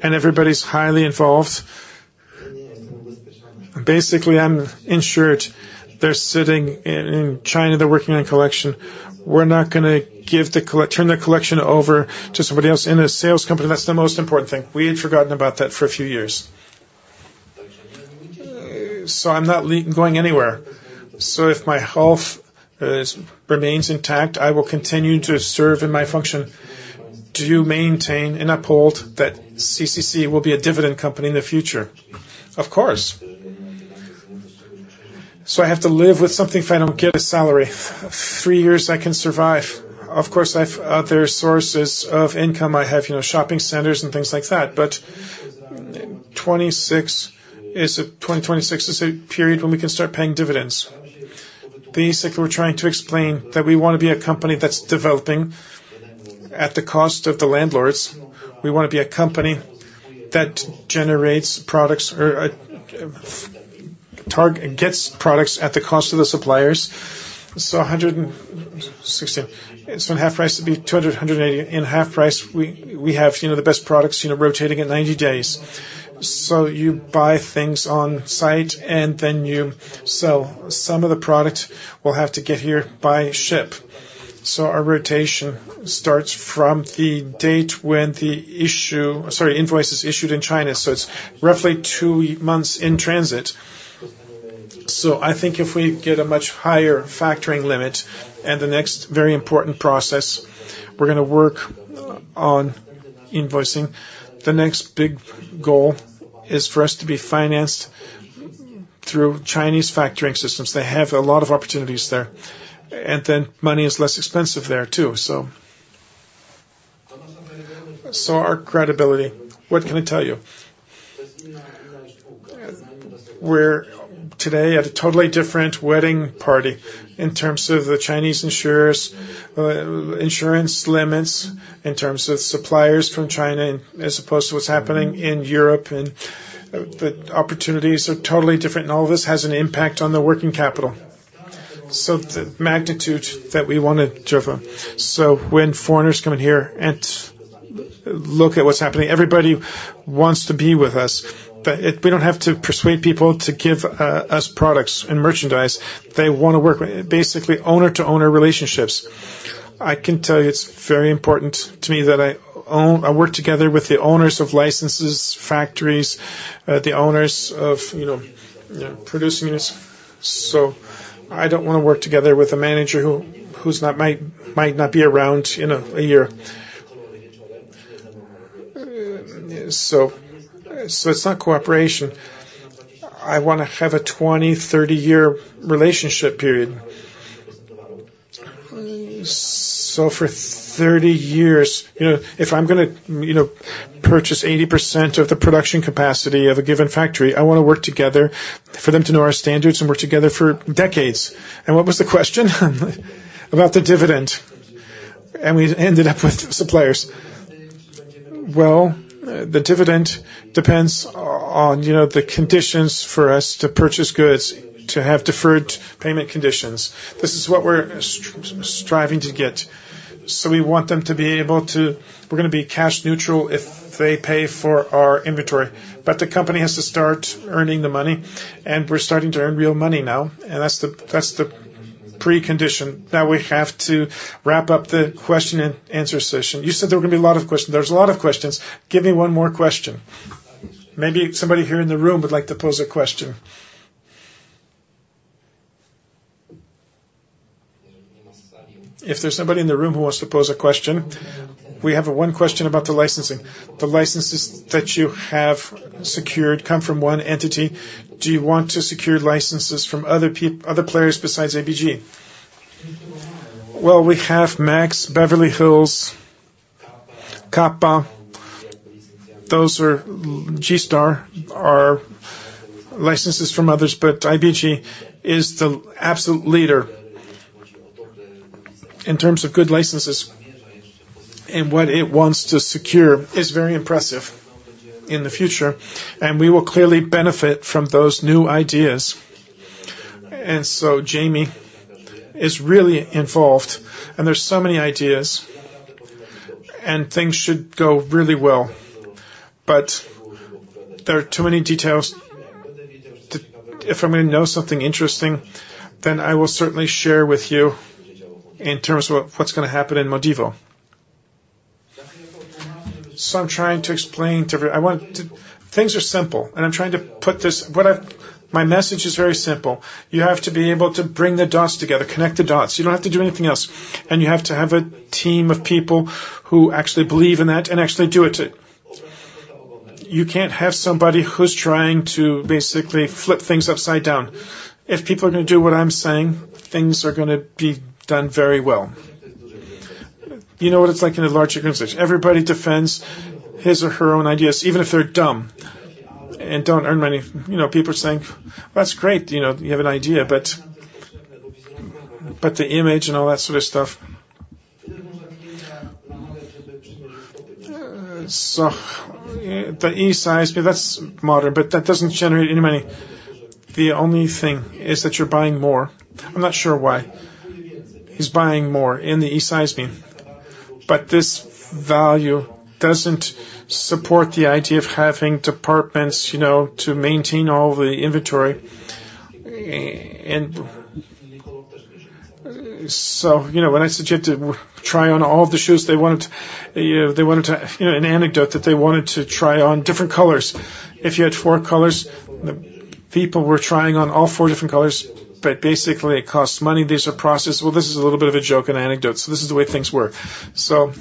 and everybody's highly involved. Basically, I'm insured. They're sitting in China. They're working on a collection. We're not going to turn the collection over to somebody else in a sales company. That's the most important thing. We had forgotten about that for a few years. So I'm not going anywhere. So if my health remains intact, I will continue to serve in my function to maintain and uphold that CCC will be a dividend company in the future. Of course. So I have to live with something if I don't get a salary. Three years, I can survive. Of course, I have other sources of income. I have shopping centers and things like that. But 2026 is a period when we can start paying dividends. Basically, we're trying to explain that we want to be a company that's developing at the cost of the landlords. We want to be a company that gets products at the cost of the suppliers. So HalfPrice to be 200, 180. In HalfPrice, we have the best products rotating at 90 days. So you buy things on site, and then you sell. Some of the product we'll have to get here by ship. So our rotation starts from the date when the invoice is issued in China. So it's roughly two months in transit. So I think if we get a much higher factoring limit and the next very important process, we're going to work on invoicing. The next big goal is for us to be financed through Chinese factoring systems. They have a lot of opportunities there. And then money is less expensive there too. So our credibility, what can I tell you? We're today at a totally different wedding party in terms of the Chinese insurance limits, in terms of suppliers from China, as opposed to what's happening in Europe. And the opportunities are totally different, and all of this has an impact on the working capital. So the magnitude that we want to drive. So when foreigners come in here and look at what's happening, everybody wants to be with us. But we don't have to persuade people to give us products and merchandise. They want to work basically owner-to-owner relationships. I can tell you it's very important to me that I work together with the owners of licenses, factories, the owners of producing units. So I don't want to work together with a manager who might not be around in a year. So it's not cooperation. I want to have a 20-30-year relationship period. So for 30 years, if I'm going to purchase 80% of the production capacity of a given factory, I want to work together for them to know our standards and work together for decades. And what was the question about the dividend? And we ended up with suppliers. Well, the dividend depends on the conditions for us to purchase goods, to have deferred payment conditions. This is what we're striving to get. So we want them to be able to. We're going to be cash neutral if they pay for our inventory. But the company has to start earning the money, and we're starting to earn real money now. And that's the precondition. Now we have to wrap up the question and answer session. You said there were going to be a lot of questions. There's a lot of questions. Give me one more question. Maybe somebody here in the room would like to pose a question. If there's nobody in the room who wants to pose a question, we have one question about the licensing. The licenses that you have secured come from one entity. Do you want to secure licenses from other players besides ABG? Well, we have Mexx, Beverly Hills, Kappa. Those are G-STAR, our licenses from others, but ABG is the absolute leader in terms of good licenses and what it wants to secure. It's very impressive in the future, and we will clearly benefit from those new ideas and so Jamie is really involved, and there's so many ideas, and things should go really well, but there are too many details. If I'm going to know something interesting, then I will certainly share with you in terms of what's going to happen in MODIVO, so I'm trying to explain to everyone. Things are simple, and I'm trying to put this my message is very simple. You have to be able to bring the dots together, connect the dots. You don't have to do anything else and you have to have a team of people who actually believe in that and actually do it. You can't have somebody who's trying to basically flip things upside down. If people are going to do what I'm saying, things are going to be done very well. You know what it's like in a larger conversation. Everybody defends his or her own ideas, even if they're dumb and don't earn money. People are saying, "That's great. You have an idea," but the image and all that sort of stuff, so the e-size.me, that's modern, but that doesn't generate any money. The only thing is that you're buying more. I'm not sure why he's buying more in the e-size.me, but this value doesn't support the idea of having departments to maintain all the inventory, and so when I suggested try on all the shoes, they wanted to an anecdote that they wanted to try on different colors. If you had four colors, people were trying on all four different colors, but basically, it costs money. There's a process, well, this is a little bit of a joke and anecdote, so this is the way things work. So,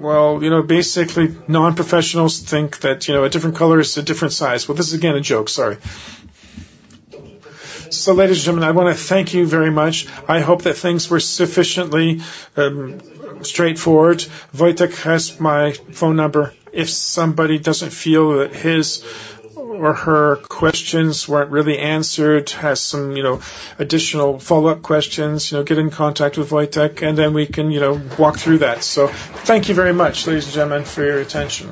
well, basically, non-professionals think that a different color is a different size. Well, this is again a joke. Sorry. So, ladies and gentlemen, I want to thank you very much. I hope that things were sufficiently straightforward. Wojtek has my phone number. If somebody doesn't feel that his or her questions weren't really answered, has some additional follow-up questions, get in contact with Wojtek, and then we can walk through that. So, thank you very much, ladies and gentlemen, for your attention.